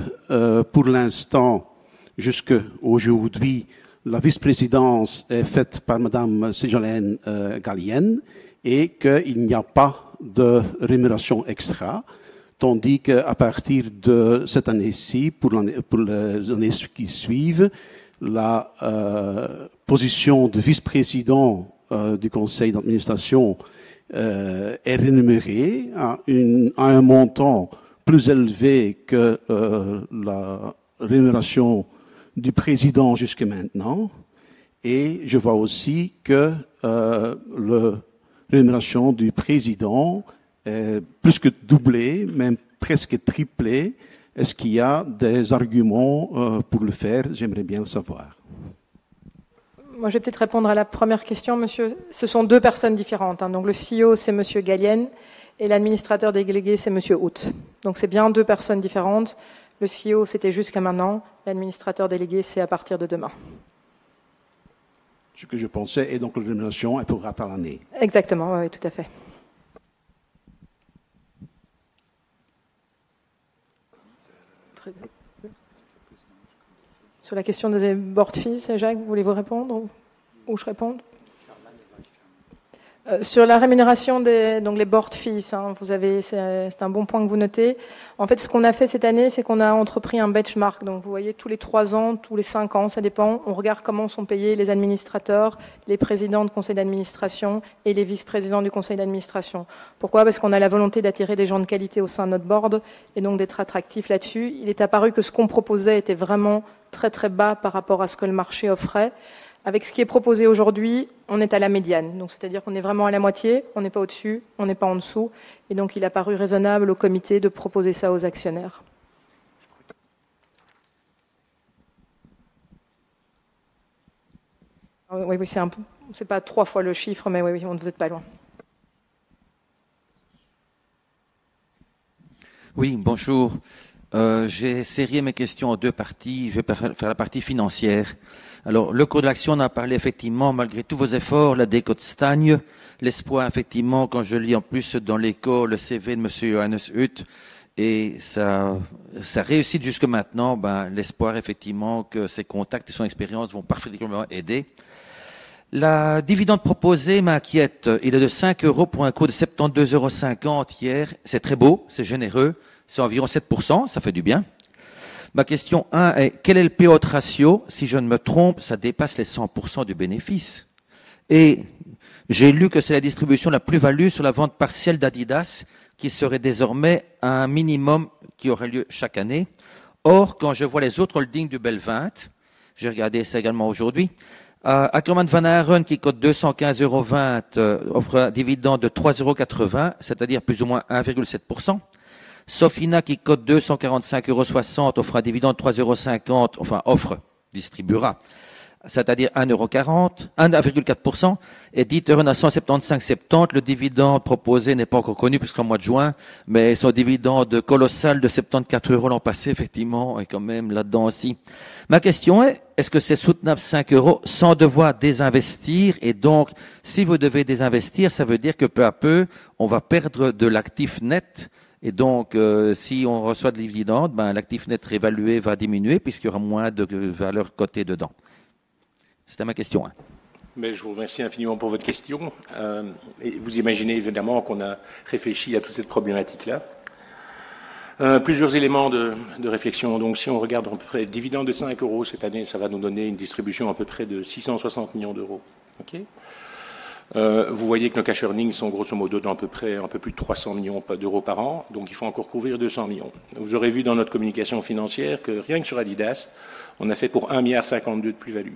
pour l'instant, jusqu'à aujourd'hui, la vice-présidence est faite par Madame Ségolène Gallien et qu'il n'y a pas de rémunération extra, tandis qu'à partir de cette année-ci, pour les années qui suivent, la position de Vice-Président du Conseil d'Administration est rémunérée à un montant plus élevé que la rémunération du Président jusqu'à maintenant. Je vois aussi que la rémunération du Président est plus que doublée, même presque triplée. Est-ce qu'il y a des arguments pour le faire? J'aimerais bien le savoir. Moi, je vais peut-être répondre à la première question, Monsieur. Ce sont deux personnes différentes. Donc, le CEO, c'est Monsieur Gallien, et l'Administrateur Délégué, c'est Monsieur Hooft. Donc, c'est bien deux personnes différentes. Le CEO, c'était jusqu'à maintenant. L'Administrateur Délégué, c'est à partir de demain. Ce que je pensais, et donc la rémunération, elle pourra être à l'année. Exactement, oui, tout à fait. Sur la question des board fees, Jacques, vous voulez vous répondre ou je réponds? Sur la rémunération des board fees, c'est un bon point que vous notez. En fait, ce qu'on a fait cette année, c'est qu'on a entrepris un benchmark. Donc, vous voyez, tous les trois ans, tous les cinq ans, ça dépend, on regarde comment sont payés les administrateurs, les présidents de conseil d'administration et les vice-présidents du conseil d'administration. Pourquoi? Parce qu'on a la volonté d'attirer des gens de qualité au sein de notre board et donc d'être attractifs là-dessus. Il est apparu que ce qu'on proposait était vraiment très, très bas par rapport à ce que le marché offrait. Avec ce qui est proposé aujourd'hui, on est à la médiane. Donc, c'est-à-dire qu'on est vraiment à la moitié, on n'est pas au-dessus, on n'est pas en dessous. Et donc, il a paru raisonnable au comité de proposer ça aux actionnaires. Oui, ce n'est pas trois fois le chiffre, mais vous n'êtes pas loin. Bonjour. J'ai sérié mes questions en deux parties. Je vais faire la partie financière. Alors, le cours de l'action, on en a parlé effectivement, malgré tous vos efforts, la décote stagne. L'espoir, effectivement, quand je lis en plus dans l'école le CV de Monsieur Yoannes Hooft et sa réussite jusqu'à maintenant, l'espoir, effectivement, que ses contacts et son expérience vont parfaitement aider. Le dividende proposé m'inquiète. Il est de €5 pour un cours de €72,50 hier. C'est très beau, c'est généreux. C'est environ 7%, ça fait du bien. Ma question 1 est: quel est le payout ratio? Si je ne me trompe, ça dépasse les 100% du bénéfice. Et j'ai lu que c'est la distribution de la plus-value sur la vente partielle d'Adidas qui serait désormais un minimum qui aurait lieu chaque année. Or, quand je vois les autres holdings du Belvinte, j'ai regardé ça également aujourd'hui, Ackermans & van Haaren, qui cote €215,20, offre un dividende de €3,80, c'est-à-dire plus ou moins 1,7%. Sofina, qui cote €245,60, offre un dividende de €3,50, enfin, offre, distribuera, c'est-à-dire 1,4%. Et Dieteren à €175,70, le dividende proposé n'est pas encore connu puisqu'en mois de juin, mais son dividende colossal de €74 l'an passé, effectivement, est quand même là-dedans aussi. Ma question est: est-ce que c'est soutenable €5 sans devoir désinvestir? Et donc, si vous devez désinvestir, ça veut dire que peu à peu, on va perdre de l'actif net. Et donc, si on reçoit du dividende, l'actif net réévalué va diminuer puisqu'il y aura moins de valeur cotée dedans. C'était ma question. Mais je vous remercie infiniment pour votre question. Vous imaginez évidemment qu'on a réfléchi à toute cette problématique-là. Plusieurs éléments de réflexion. Donc, si on regarde à peu près le dividende de €5 cette année, ça va nous donner une distribution à peu près de €660 millions. Vous voyez que nos cash earnings sont grosso modo d'un peu plus de €300 millions par an. Donc, il faut encore couvrir €200 millions. Vous aurez vu dans notre communication financière que rien que sur Adidas, on a fait pour €1,52 milliard de plus-value.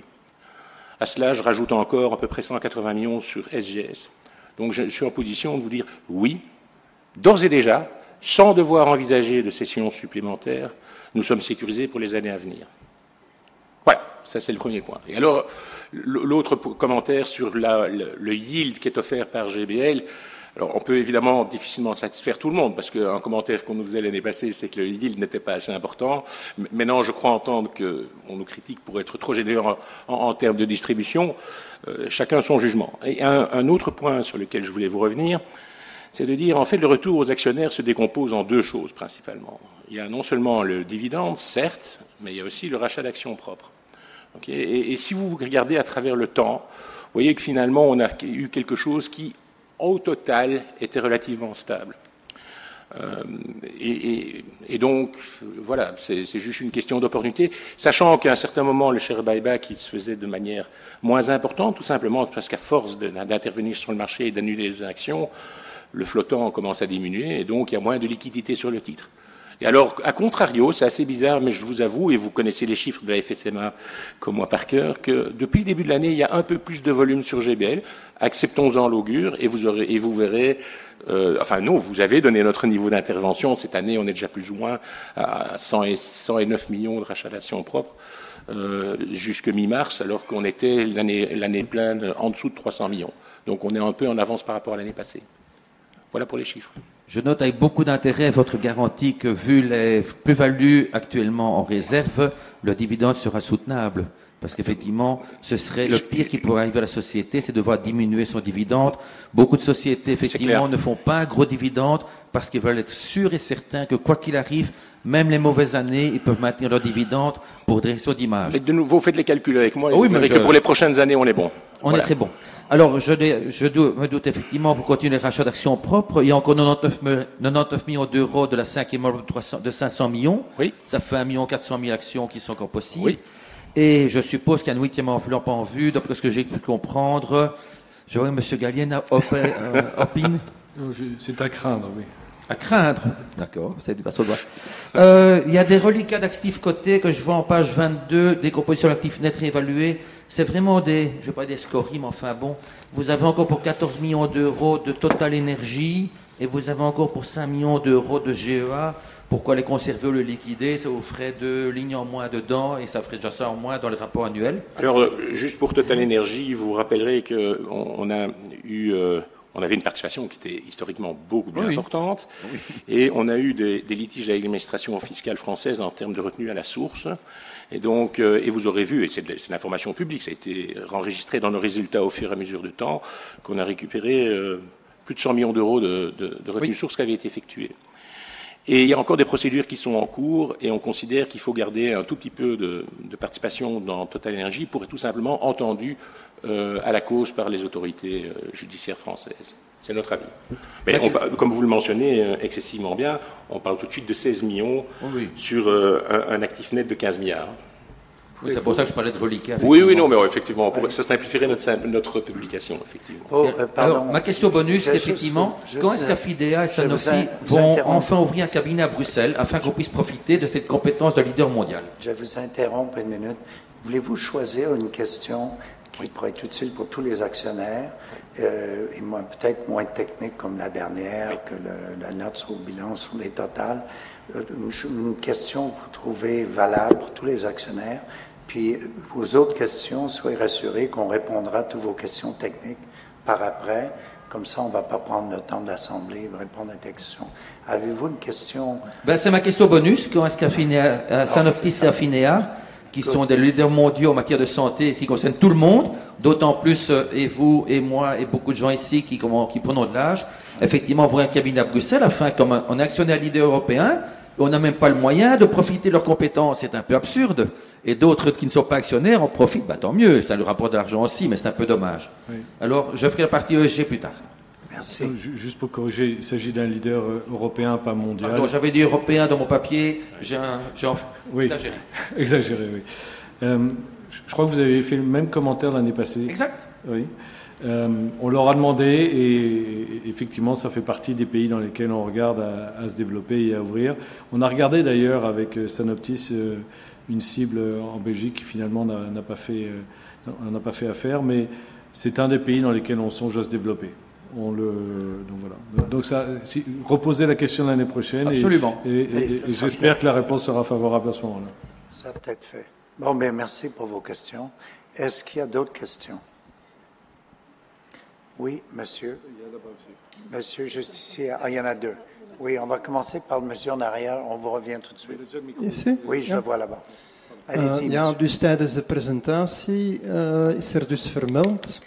À cela, je rajoute encore à peu près €180 millions sur SGS. Donc, je suis en position de vous dire oui, d'ores et déjà, sans devoir envisager de cessions supplémentaires, nous sommes sécurisés pour les années à venir. Oui, ça, c'est le premier point. L'autre commentaire sur le yield qui est offert par GBL, alors on peut évidemment difficilement satisfaire tout le monde parce qu'un commentaire qu'on nous faisait l'année passée, c'est que le yield n'était pas assez important. Maintenant, je crois entendre qu'on nous critique pour être trop généreux en termes de distribution. Chacun son jugement. Un autre point sur lequel je voulais vous revenir, c'est de dire en fait le retour aux actionnaires se décompose en deux choses principalement. Il y a non seulement le dividende, certes, mais il y a aussi le rachat d'actions propres. Et si vous vous regardez à travers le temps, vous voyez que finalement on a eu quelque chose qui, au total, était relativement stable. Et donc, voilà, c'est juste une question d'opportunité, sachant qu'à un certain moment, le share buyback se faisait de manière moins importante, tout simplement parce qu'à force d'intervenir sur le marché et d'annuler les actions, le flottant commence à diminuer et donc il y a moins de liquidités sur le titre. Et alors, a contrario, c'est assez bizarre, mais je vous avoue, et vous connaissez les chiffres de la FSMA comme moi par cœur, que depuis le début de l'année, il y a un peu plus de volume sur GBL. Acceptons-en l'augure et vous verrez, enfin, nous, vous avez donné notre niveau d'intervention. Cette année, on est déjà plus ou moins à 109 millions de rachats d'actions propres jusqu'à mi-mars, alors qu'on était l'année pleine en dessous de 300 millions. Donc, on est un peu en avance par rapport à l'année passée. Voilà pour les chiffres. Je note avec beaucoup d'intérêt votre garantie que, vu les plus-values actuellement en réserve, le dividende sera soutenable. Parce qu'effectivement, ce serait le pire qui pourrait arriver à la société, c'est devoir diminuer son dividende. Beaucoup de sociétés, effectivement, ne font pas un gros dividende parce qu'ils veulent être sûrs et certains que, quoi qu'il arrive, même les mauvaises années, ils peuvent maintenir leur dividende pour des raisons d'image. Mais de nouveau, faites les calculs avec moi. Oui, mais pour les prochaines années, on est bon. On est très bon. Alors, je me doute effectivement, vous continuez les rachats d'actions propres. Il y a encore 99 millions d'euros de la cinquième tranche de 500 millions. Ça fait 1,4 million d'actions qui sont encore possibles. Et je suppose qu'il y a une huitième enveloppe en vue d'après ce que j'ai pu comprendre. Je vois que Monsieur Gallien a opiné. C'est à craindre, oui. À craindre. D'accord, c'est du au cas par cas. Il y a des reliquats d'actifs cotés que je vois en page 22, décomposition d'actifs nets réévalués. C'est vraiment des, je ne veux pas dire scories, mais enfin bon. Vous avez encore pour €14 millions de TotalEnergies et vous avez encore pour €5 millions de GEA. Pourquoi les conserver ou les liquider? Ça vous ferait deux lignes en moins dedans et ça ferait déjà ça en moins dans le rapport annuel. Alors, juste pour Total Énergie, vous vous rappellerez qu'on a eu, on avait une participation qui était historiquement beaucoup plus importante et on a eu des litiges avec l'administration fiscale française en termes de retenue à la source. Et donc, et vous aurez vu, et c'est de l'information publique, ça a été enregistré dans nos résultats au fur et à mesure du temps qu'on a récupéré plus de €100 millions de retenue de source qui avait été effectuée. Et il y a encore des procédures qui sont en cours et on considère qu'il faut garder un tout petit peu de participation dans Total Énergie pour être tout simplement entendu à la cause par les autorités judiciaires françaises. C'est notre avis. Mais comme vous le mentionnez excessivement bien, on parle tout de suite de €16 millions sur un actif net de €15 milliards. C'est pour ça que je parlais de reliques. Oui, oui, non, mais effectivement, ça simplifierait notre publication, effectivement. Ma question bonus, effectivement, quand est-ce qu'Afidea et Sanofi vont enfin ouvrir un cabinet à Bruxelles afin qu'on puisse profiter de cette compétence de leader mondial? Je vais vous interrompre une minute. Voulez-vous choisir une question qui pourrait être utile pour tous les actionnaires? Et moi, peut-être moins technique comme la dernière, que la note sur le bilan sur les totaux. Une question que vous trouvez valable pour tous les actionnaires. Puis, vos autres questions, soyez rassurés qu'on répondra à toutes vos questions techniques par après. Comme ça, on ne va pas prendre le temps de l'assemblée et répondre à vos questions. Avez-vous une question? C'est ma question bonus. Quand est-ce qu'Afidea, Sanofi et Afinea, qui sont des leaders mondiaux en matière de santé et qui concernent tout le monde, d'autant plus, et vous, et moi, et beaucoup de gens ici qui prenons de l'âge, effectivement, ouvrir un cabinet à Bruxelles? Enfin, comme on est actionnaire leader européen, on n'a même pas le moyen de profiter de leurs compétences. C'est un peu absurde. Et d'autres qui ne sont pas actionnaires, on profite, tant mieux. Ça leur rapporte de l'argent aussi, mais c'est un peu dommage. Alors, je ferai la partie ESG plus tard. Merci. Juste pour corriger, il s'agit d'un leader européen, pas mondial. J'avais dit européen dans mon papier. Exagéré. Exagéré, oui. Je crois que vous avez fait le même commentaire l'année passée. Exact. Oui. On leur a demandé et effectivement, ça fait partie des pays dans lesquels on regarde à se développer et à ouvrir. On a regardé d'ailleurs avec Sanofi une cible en Belgique qui, finalement, n'a pas fait affaire, mais c'est un des pays dans lesquels on songe à se développer. Donc voilà. Donc ça, reposez la question l'année prochaine. Absolument. Et j'espère que la réponse sera favorable à ce moment-là. Ça a peut-être fait. Bon, mais merci pour vos questions. Est-ce qu'il y a d'autres questions? Oui, monsieur? Il y a là-bas, monsieur. Monsieur, juste ici, il y en a deux. Oui, on va commencer par le monsieur en arrière, on vous revient tout de suite. Ici? Oui, je le vois là-bas. Allez-y. Ja, dus staat de president heeft vermeld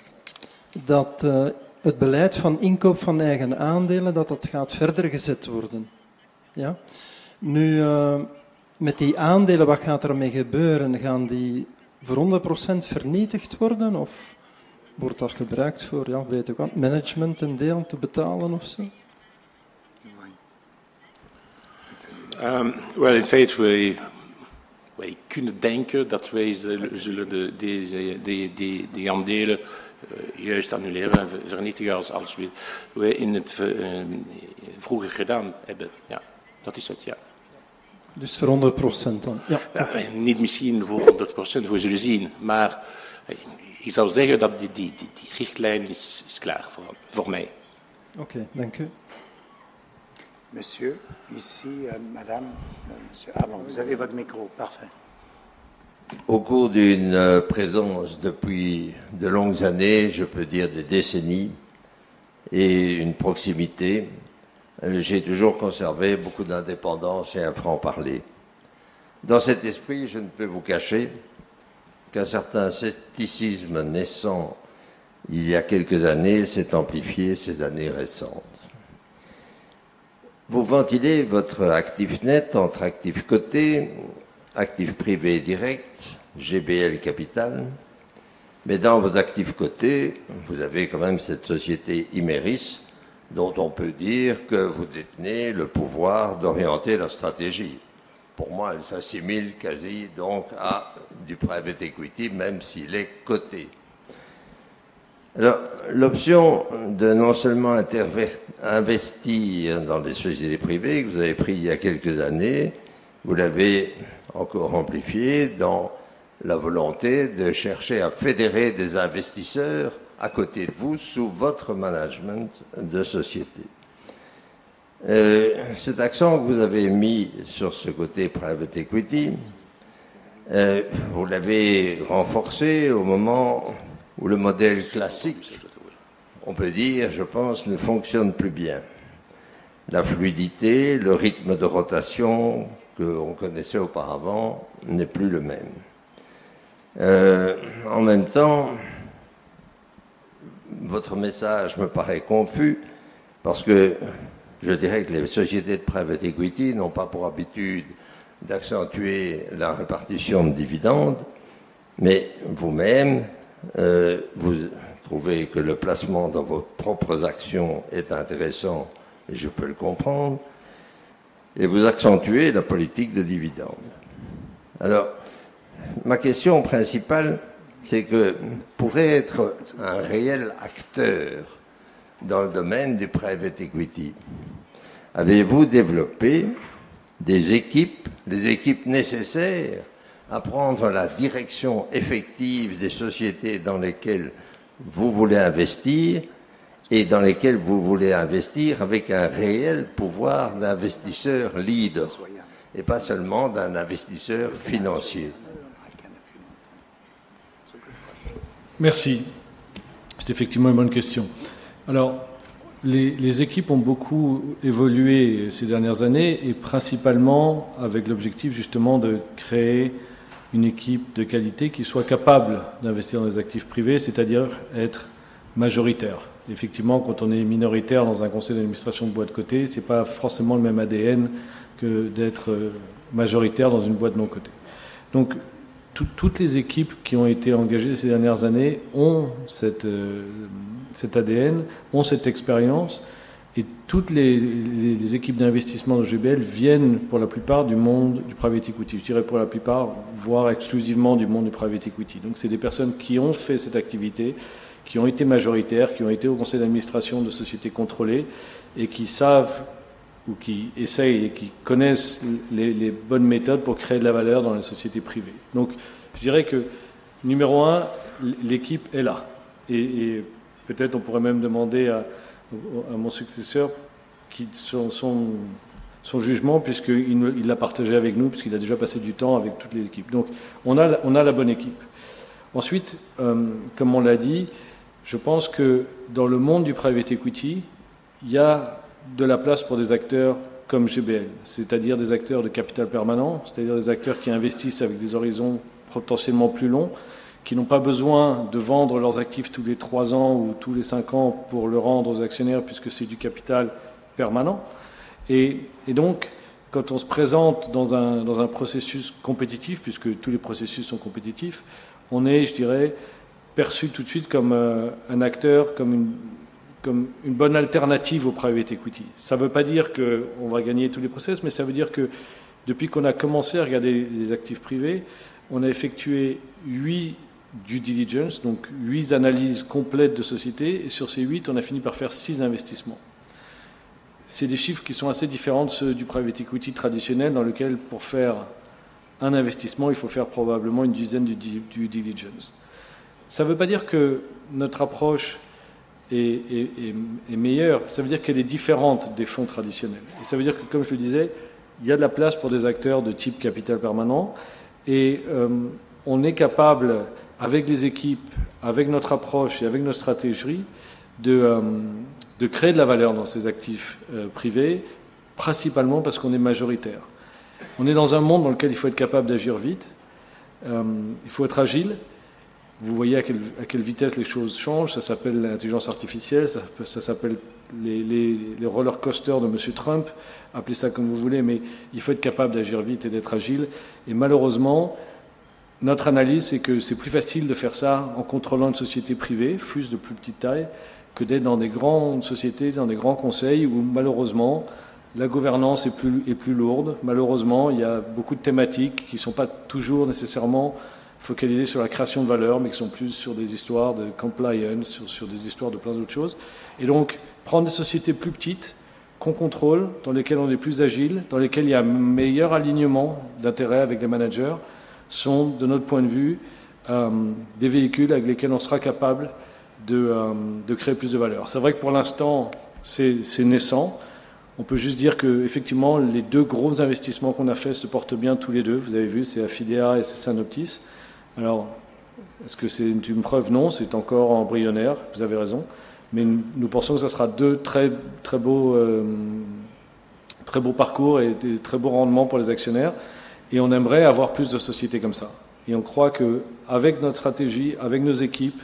dat het beleid van inkoop van eigen aandelen, dat dat gaat verdergezet worden. Ja, nu met die aandelen, wat gaat er mee gebeuren? Gaan die voor 100% vernietigd worden of wordt dat gebruikt voor, ja, weet ik wat, management een deel te betalen of zo? Wel, in feite wij kunnen denken dat wij zullen die aandelen juist annuleren en vernietigen als we in het vroeger gedaan hebben. Ja, dat is het, ja. Dus voor 100% dan? Ja. En niet misschien voor 100%, we zullen zien. Maar ik zou zeggen dat die richtlijn is klaar voor mij. Oké, dank u. Monsieur, ici, madame, monsieur Arlon, vous avez votre micro. Parfait. Au cours d'une présence depuis de longues années, je peux dire des décennies et une proximité, j'ai toujours conservé beaucoup d'indépendance et un franc-parler. Dans cet esprit, je ne peux vous cacher qu'un certain scepticisme naissant il y a quelques années s'est amplifié ces années récentes. Vous ventilez votre actif net entre actifs cotés, actifs privés directs, GBL Capital, mais dans vos actifs cotés, vous avez quand même cette société Imerys dont on peut dire que vous détenez le pouvoir d'orienter la stratégie. Pour moi, elle s'assimile quasi donc à du private equity, même si elle est cotée. Alors, l'option de non seulement investir dans des sociétés privées que vous avez prise il y a quelques années, vous l'avez encore amplifiée dans la volonté de chercher à fédérer des investisseurs à côté de vous sous votre management de société. Cet accent que vous avez mis sur ce côté private equity, vous l'avez renforcé au moment où le modèle classique, on peut dire, je pense, ne fonctionne plus bien. La fluidité, le rythme de rotation qu'on connaissait auparavant n'est plus le même. En même temps, votre message me paraît confus parce que je dirais que les sociétés de private equity n'ont pas pour habitude d'accentuer la répartition de dividendes, mais vous-même, vous trouvez que le placement dans vos propres actions est intéressant et je peux le comprendre, et vous accentuez la politique de dividendes. Alors, ma question principale, c'est que pour être un réel acteur dans le domaine du private equity, avez-vous développé des équipes, les équipes nécessaires à prendre la direction effective des sociétés dans lesquelles vous voulez investir et dans lesquelles vous voulez investir avec un réel pouvoir d'investisseur leader et pas seulement d'un investisseur financier? Merci. C'est effectivement une bonne question. Alors, les équipes ont beaucoup évolué ces dernières années et principalement avec l'objectif justement de créer une équipe de qualité qui soit capable d'investir dans les actifs privés, c'est-à-dire être majoritaire. Effectivement, quand on est minoritaire dans un conseil d'administration de boîte cotée, ce n'est pas forcément le même ADN que d'être majoritaire dans une boîte non cotée. Donc, toutes les équipes qui ont été engagées ces dernières années ont cet ADN, ont cette expérience et toutes les équipes d'investissement de GBL viennent pour la plupart du monde du private equity, je dirais pour la plupart, voire exclusivement du monde du private equity. Donc, ce sont des personnes qui ont fait cette activité, qui ont été majoritaires, qui ont été au conseil d'administration de sociétés contrôlées et qui savent ou qui essayent et qui connaissent les bonnes méthodes pour créer de la valeur dans les sociétés privées. Donc, je dirais que numéro un, l'équipe est là. Et peut-être on pourrait même demander à mon successeur son jugement puisqu'il l'a partagé avec nous, puisqu'il a déjà passé du temps avec toute l'équipe. Donc, on a la bonne équipe. Ensuite, comme on l'a dit, je pense que dans le monde du private equity, il y a de la place pour des acteurs comme GBL, c'est-à-dire des acteurs de capital permanent, c'est-à-dire des acteurs qui investissent avec des horizons potentiellement plus longs, qui n'ont pas besoin de vendre leurs actifs tous les trois ans ou tous les cinq ans pour le rendre aux actionnaires puisque c'est du capital permanent. Et donc, quand on se présente dans un processus compétitif, puisque tous les processus sont compétitifs, on est, je dirais, perçu tout de suite comme un acteur, comme une bonne alternative au private equity. Ça ne veut pas dire qu'on va gagner tous les processus, mais ça veut dire que depuis qu'on a commencé à regarder les actifs privés, on a effectué huit due diligences, donc huit analyses complètes de sociétés, et sur ces huit, on a fini par faire six investissements. Ce sont des chiffres qui sont assez différents de ceux du private equity traditionnel dans lequel, pour faire un investissement, il faut faire probablement une dizaine de due diligences. Ça ne veut pas dire que notre approche est meilleure, ça veut dire qu'elle est différente des fonds traditionnels. Ça veut dire que, comme je le disais, il y a de la place pour des acteurs de type capital permanent et on est capable, avec les équipes, avec notre approche et avec notre stratégie, de créer de la valeur dans ces actifs privés, principalement parce qu'on est majoritaire. On est dans un monde dans lequel il faut être capable d'agir vite, il faut être agile. Vous voyez à quelle vitesse les choses changent, ça s'appelle l'intelligence artificielle, ça s'appelle les montagnes russes de monsieur Trump, appelez ça comme vous voulez, mais il faut être capable d'agir vite et d'être agile. Et malheureusement, notre analyse, c'est que c'est plus facile de faire ça en contrôlant une société privée, fût-ce de plus petite taille, que d'être dans des grandes sociétés, dans des grands conseils où, malheureusement, la gouvernance est plus lourde. Malheureusement, il y a beaucoup de thématiques qui ne sont pas toujours nécessairement focalisées sur la création de valeur, mais qui sont plus sur des histoires de compliance, sur des histoires de plein d'autres choses. Et donc, prendre des sociétés plus petites qu'on contrôle, dans lesquelles on est plus agile, dans lesquelles il y a un meilleur alignement d'intérêts avec les managers, sont, de notre point de vue, des véhicules avec lesquels on sera capable de créer plus de valeur. C'est vrai que pour l'instant, c'est naissant. On peut juste dire qu'effectivement, les deux gros investissements qu'on a faits se portent bien tous les deux. Vous avez vu, c'est Affidea et c'est Sanofi. Alors, est-ce que c'est une preuve? Non, c'est encore embryonnaire, vous avez raison. Mais nous pensons que ça sera deux très beaux parcours et de très beaux rendements pour les actionnaires. Et on aimerait avoir plus de sociétés comme ça. Et on croit qu'avec notre stratégie, avec nos équipes,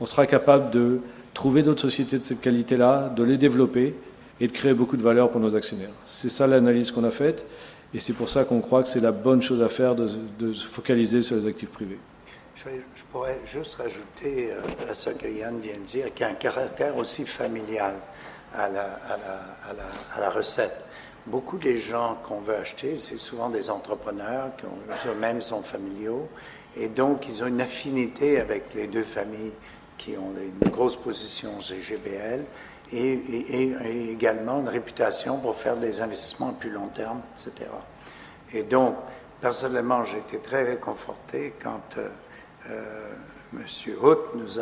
on sera capable de trouver d'autres sociétés de cette qualité-là, de les développer et de créer beaucoup de valeur pour nos actionnaires. C'est ça l'analyse qu'on a faite et c'est pour ça qu'on croit que c'est la bonne chose à faire de se focaliser sur les actifs privés. Je pourrais juste rajouter à ce que Yann vient de dire, qui a un caractère aussi familial à la recette. Beaucoup des gens qu'on veut acheter, c'est souvent des entrepreneurs qui eux-mêmes sont familiaux et donc ils ont une affinité avec les deux familles qui ont une grosse position chez GBL et également une réputation pour faire des investissements à plus long terme. Et donc, personnellement, j'ai été très réconforté quand Monsieur Hout nous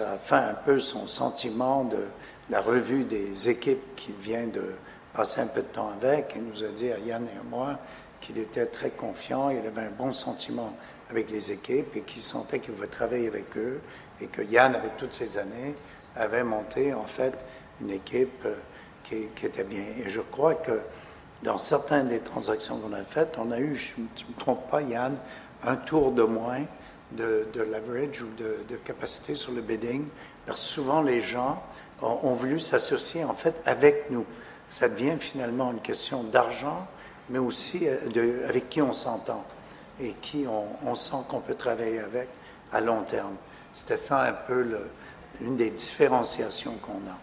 a fait un peu son sentiment de la revue des équipes qu'il vient de passer un peu de temps avec et nous a dit, à Yann et à moi, qu'il était très confiant, il avait un bon sentiment avec les équipes et qu'il sentait qu'il pouvait travailler avec eux et que Yann, avec toutes ces années, avait monté en fait une équipe qui était bien. Je crois que dans certaines des transactions qu'on a faites, on a eu, si je ne me trompe pas, Yann, un tour de moins de leverage ou de capacité sur le bidding, parce que souvent les gens ont voulu s'associer en fait avec nous. Ça devient finalement une question d'argent, mais aussi avec qui on s'entend et qui on sent qu'on peut travailler avec à long terme. C'était ça un peu l'une des différenciations qu'on a.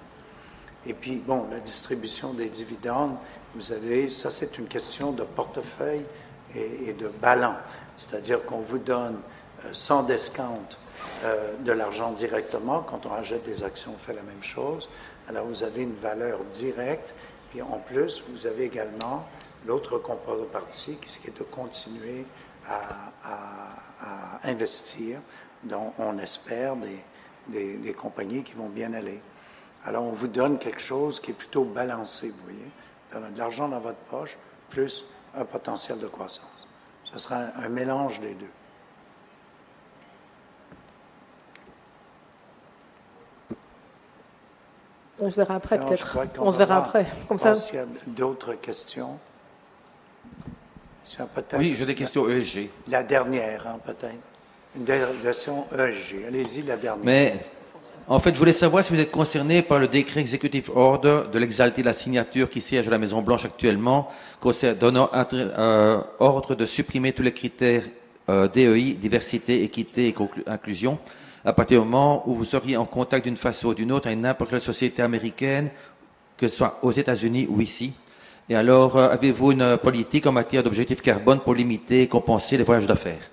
Et puis, bon, la distribution des dividendes, vous savez, ça c'est une question de portefeuille et de balance. C'est-à-dire qu'on vous donne sans discount de l'argent directement, quand on rachète des actions, on fait la même chose. Alors, vous avez une valeur directe et en plus, vous avez également l'autre contrepartie, qui est de continuer à investir dans, on espère, des compagnies qui vont bien aller. Alors, on vous donne quelque chose qui est plutôt balancé, vous voyez. On a de l'argent dans votre poche, plus un potentiel de croissance. Ce sera un mélange des deux. On se verra après peut-être. On se verra après. Comme ça, s'il y a d'autres questions, c'est un peu tard. Oui, j'ai des questions ESG. La dernière, peut-être. Une dernière question ESG. Allez-y, la dernière. Mais, en fait, je voulais savoir si vous êtes concerné par le décret executive order de l'exalté de la signature qui siège à la Maison Blanche actuellement, qui donne ordre de supprimer tous les critères DEI, diversité, équité et inclusion, à partir du moment où vous seriez en contact d'une façon ou d'une autre avec n'importe quelle société américaine, que ce soit aux États-Unis ou ici. Et alors, avez-vous une politique en matière d'objectifs carbone pour limiter et compenser les voyages d'affaires?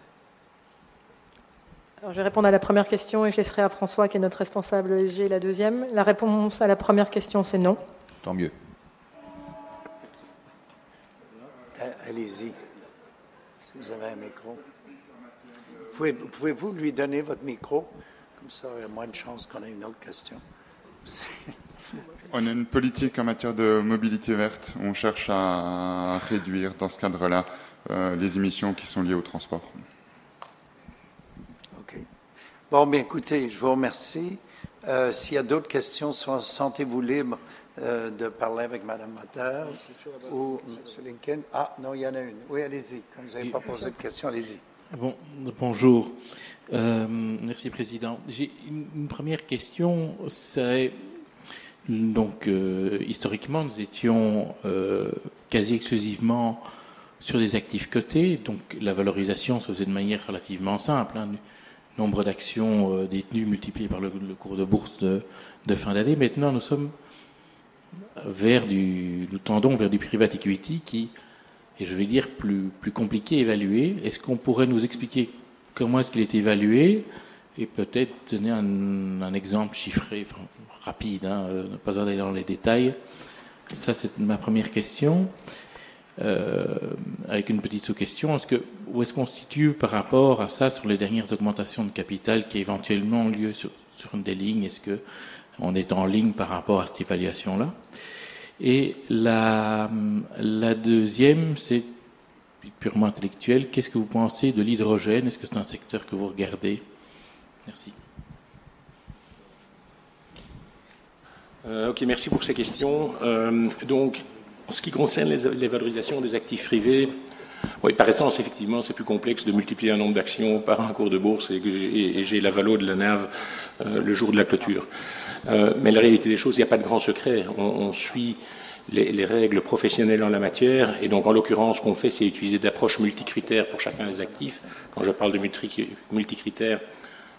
Alors, je vais répondre à la première question et je laisserai à François qui est notre responsable ESG la deuxième. La réponse à la première question, c'est non. Tant mieux. Allez-y, si vous avez un micro. Pouvez-vous lui donner votre micro? Comme ça, il y a moins de chances qu'on ait une autre question. On a une politique en matière de mobilité verte. On cherche à réduire, dans ce cadre-là, les émissions qui sont liées au transport. Okay. Bon, bien, écoutez, je vous remercie. S'il y a d'autres questions, sentez-vous libre de parler avec madame Mattar ou monsieur Lincoln. Non, il y en a une. Oui, allez-y. Comme vous n'avez pas posé de question, allez-y. Bonjour. Merci, président. J'ai une première question. C'est donc, historiquement, nous étions quasi exclusivement sur des actifs cotés, donc la valorisation se faisait de manière relativement simple, nombre d'actions détenues multiplié par le cours de bourse de fin d'année. Maintenant, nous sommes vers du, nous tendons vers du private equity qui, et je vais dire, plus compliqué à évaluer. Est-ce qu'on pourrait nous expliquer comment il est évalué et peut-être donner un exemple chiffré rapide, ne pas aller dans les détails? Ça, c'est ma première question. Avec une petite sous-question, est-ce qu'on se situe par rapport à ça sur les dernières augmentations de capital qui ont éventuellement eu lieu sur une des lignes? Est-ce qu'on est en ligne par rapport à cette évaluation-là? Et la deuxième, c'est purement intellectuelle, qu'est-ce que vous pensez de l'hydrogène? Est-ce que c'est un secteur que vous regardez? Merci. Okay, merci pour ces questions. Donc, en ce qui concerne les valorisations des actifs privés, oui, par essence, effectivement, c'est plus complexe de multiplier un nombre d'actions par un cours de bourse et j'ai la valorisation de la NAV le jour de la clôture. Mais la réalité des choses, il n'y a pas de grand secret. On suit les règles professionnelles en la matière et donc, en l'occurrence, ce qu'on fait, c'est utiliser des approches multicritères pour chacun des actifs. Quand je parle de multicritères,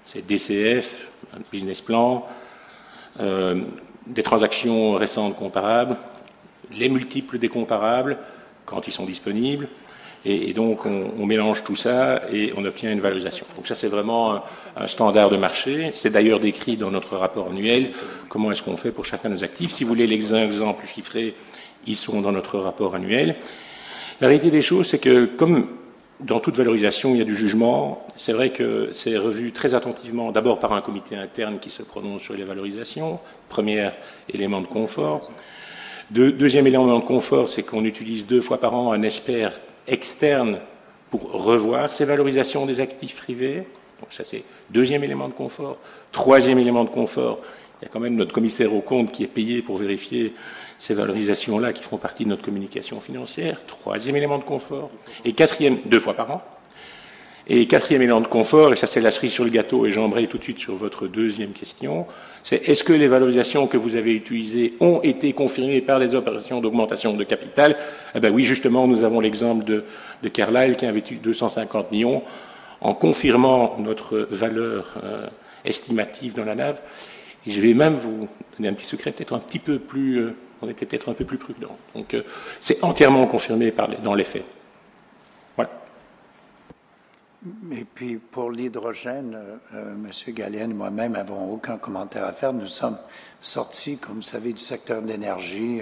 c'est DCF, business plan, des transactions récentes comparables, les multiples des comparables quand ils sont disponibles. Et donc, on mélange tout ça et on obtient une valorisation. Donc ça, c'est vraiment un standard de marché. C'est d'ailleurs décrit dans notre rapport annuel, comment est-ce qu'on fait pour chacun des actifs. Si vous voulez les exemples chiffrés, ils sont dans notre rapport annuel. La réalité des choses, c'est que comme dans toute valorisation, il y a du jugement. C'est vrai que c'est revu très attentivement, d'abord par un comité interne qui se prononce sur les valorisations, premier élément de confort. Deuxième élément de confort, c'est qu'on utilise deux fois par an un expert externe pour revoir ces valorisations des actifs privés. Donc ça, c'est deuxième élément de confort. Troisième élément de confort, il y a quand même notre commissaire aux comptes qui est payé pour vérifier ces valorisations-là qui font partie de notre communication financière. Troisième élément de confort. Et quatrième, deux fois par an. Et quatrième élément de confort, et ça, c'est la cerise sur le gâteau, et j'en vais tout de suite sur votre deuxième question, c'est: est-ce que les valorisations que vous avez utilisées ont été confirmées par les opérations d'augmentation de capital? Eh bien, oui, justement, nous avons l'exemple de Kerlyle qui avait eu €250 millions en confirmant notre valeur estimative dans la NAV. Et je vais même vous donner un petit secret, peut-être un petit peu plus, on était peut-être un peu plus prudents. Donc, c'est entièrement confirmé dans les faits. Voilà. Et puis, pour l'hydrogène, Monsieur Gallien et moi-même n'avons aucun commentaire à faire. Nous sommes sortis, comme vous savez, du secteur de l'énergie.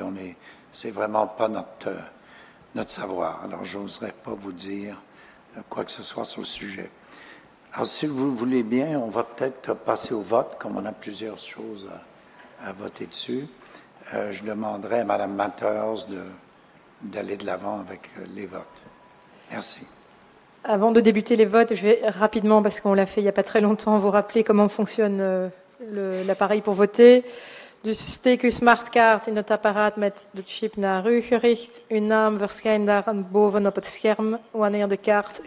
Ce n'est vraiment pas notre savoir. Alors, je n'oserais pas vous dire quoi que ce soit sur le sujet. Alors, si vous voulez bien, on va peut-être passer au vote, comme on a plusieurs choses à voter dessus. Je demanderais à madame Mattar d'aller de l'avant avec les votes. Merci. Avant de débuter les votes, je vais rapidement, parce qu'on l'a fait il n'y a pas très longtemps, vous rappeler comment fonctionne l'appareil pour voter. Steek de smart card in het apparaat met de chip naar u gericht en uw naam verschijnt daar aan boven op het scherm wanneer de kaart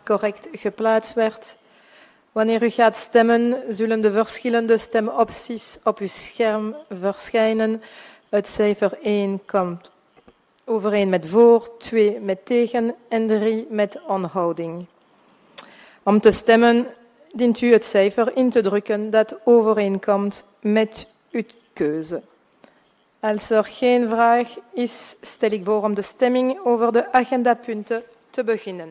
correct geplaatst werd. Wanneer u gaat stemmen, zullen de verschillende stemopties op uw scherm verschijnen. Het cijfer 1 komt overeen met voor, 2 met tegen en 3 met onthouding. Om te stemmen dient u het cijfer in te drukken dat overeenkomt met uw keuze. Als geen vraag is, stel ik voor om de stemming over de agendapunten te beginnen.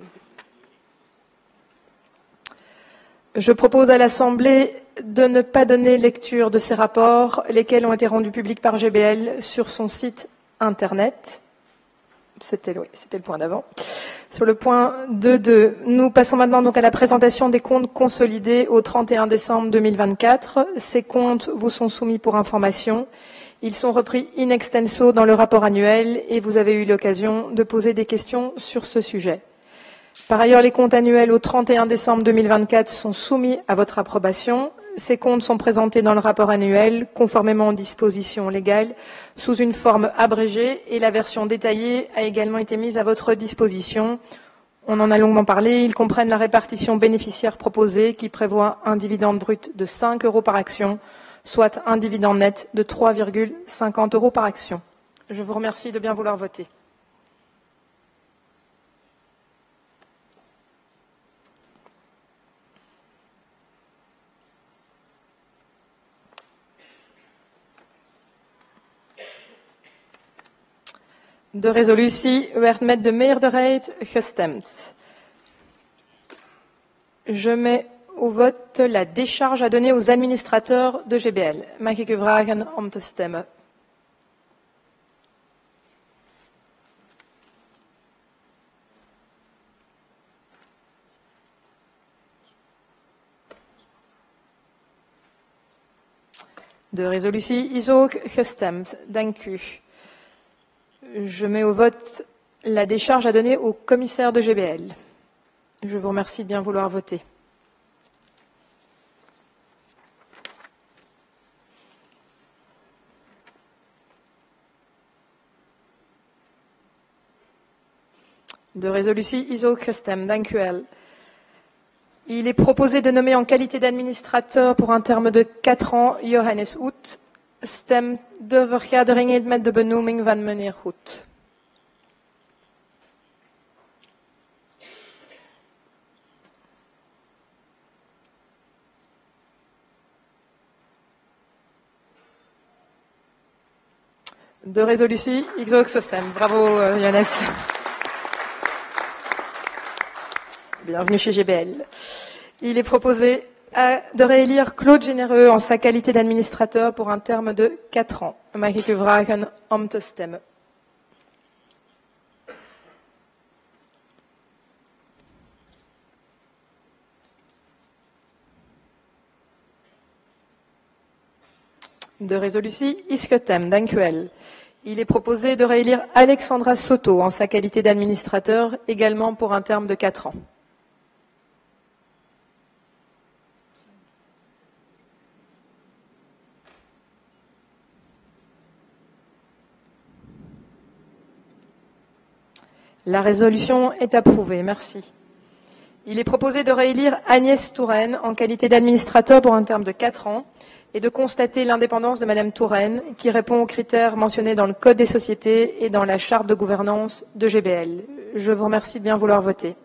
Je propose à l'assemblée de ne pas donner lecture de ces rapports, lesquels ont été rendus publics par GBL sur son site internet. C'était le point d'avant. Sur le point 2.2, nous passons maintenant donc à la présentation des comptes consolidés au 31 décembre 2024. Ces comptes vous sont soumis pour information. Ils sont repris in extenso dans le rapport annuel et vous avez eu l'occasion de poser des questions sur ce sujet. Par ailleurs, les comptes annuels au 31 décembre 2024 sont soumis à votre approbation. Ces comptes sont présentés dans le rapport annuel conformément aux dispositions légales sous une forme abrégée et la version détaillée a également été mise à votre disposition. On en a longuement parlé. Ils comprennent la répartition bénéficiaire proposée qui prévoit un dividende brut de €5 par action, soit un dividende net de €3,50 par action. Je vous remercie de bien vouloir voter. De resolutie werd met de meerderheid gestemd. Je mets au vote la décharge à donner aux administrateurs de GBL. Mag ik u vragen om te stemmen? De resolutie is ook gestemd. Dank u. Je mets au vote la décharge à donner au commissaire de GBL. Je vous remercie de bien vouloir voter. De resolutie is ook gestemd. Dank u wel. Il est proposé de nommer en qualité d'administrateur pour un terme de quatre ans Johannes Hout. Stemt de verklaring in met de benoeming van meneer Hout. De resolutie is ook gestemd. Bravo, Johannes. Bienvenue chez GBL. Il est proposé de réélire Claude Généreux en sa qualité d'administrateur pour un terme de quatre ans. Mag ik u vragen om te stemmen? De resolutie is gestemd. Dank u wel. Il est proposé de réélire Alexandra Soto en sa qualité d'administrateur également pour un terme de quatre ans. La résolution est approuvée. Merci. Il est proposé de réélire Agnès Touraine en qualité d'administrateur pour un terme de quatre ans et de constater l'indépendance de Madame Touraine, qui répond aux critères mentionnés dans le code des sociétés et dans la charte de gouvernance de GBL. Je vous remercie de bien vouloir voter.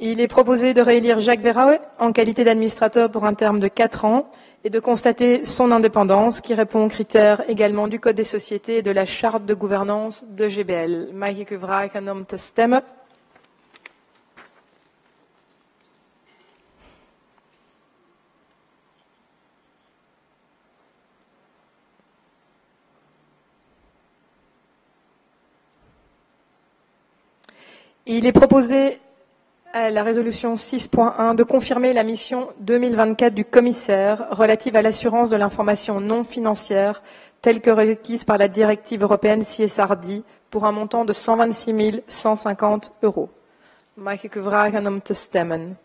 Il est proposé de réélire Jacques Verhaeghe en qualité d'administrateur pour un terme de quatre ans et de constater son indépendance, qui répond aux critères également du code des sociétés et de la charte de gouvernance de GBL. Mag ik u vragen om te stemmen? Il est proposé à la résolution 6.1 de confirmer la mission 2024 du commissaire relative à l'assurance de l'information non financière telle que requise par la directive européenne CSRD pour un montant de €126,150. Mag ik u vragen om te stemmen? Merci.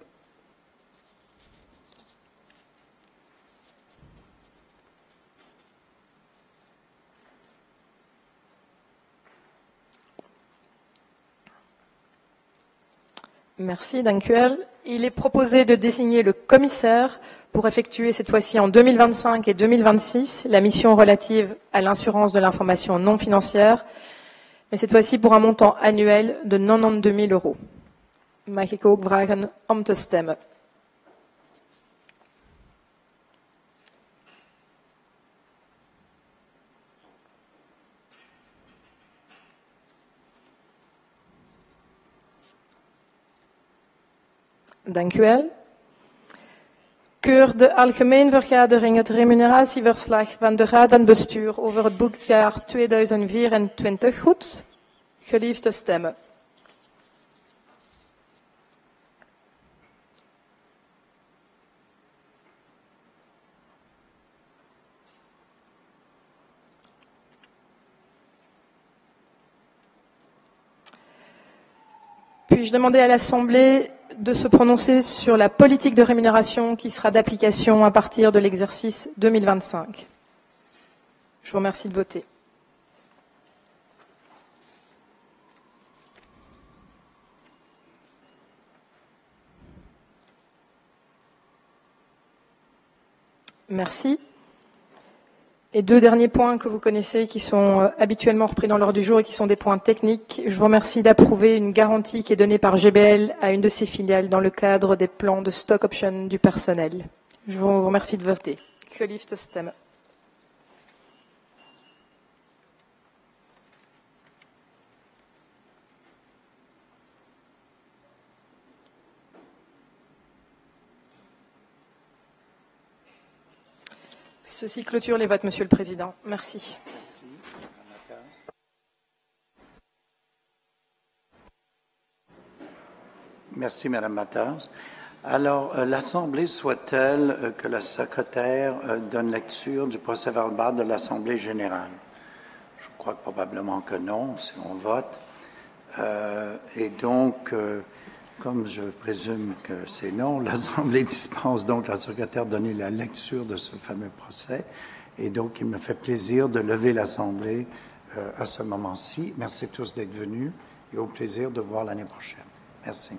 Dank u wel. Il est proposé de désigner le commissaire pour effectuer cette fois-ci en 2025 et 2026 la mission relative à l'assurance de l'information non financière, mais cette fois-ci pour un montant annuel de €92,000. Mag ik u ook vragen om te stemmen? Dank u wel. Keurt de algemene vergadering het remuneratieverslag van de raad van bestuur over het boekjaar 2024 goed? Gelieve te stemmen. Puis-je demander à l'assemblée de se prononcer sur la politique de rémunération qui sera d'application à partir de l'exercice 2025? Je vous remercie de voter. Merci. Et deux derniers points que vous connaissez et qui sont habituellement repris dans l'ordre du jour et qui sont des points techniques. Je vous remercie d'approuver une garantie qui est donnée par GBL à une de ses filiales dans le cadre des plans de stock option du personnel. Je vous remercie de voter. Gelieve te stemmen. Ceci clôture les votes, monsieur le président. Merci. Merci, madame Mattar. Alors, l'assemblée souhaite-t-elle que la secrétaire donne lecture du procès-verbal de l'assemblée générale? Je crois probablement que non, si on vote. Donc, comme je présume que c'est non, l'assemblée dispense donc la secrétaire de donner la lecture de ce fameux procès. Il me fait plaisir de lever l'assemblée à ce moment-ci. Merci à tous d'être venus et au plaisir de vous voir l'année prochaine. Merci.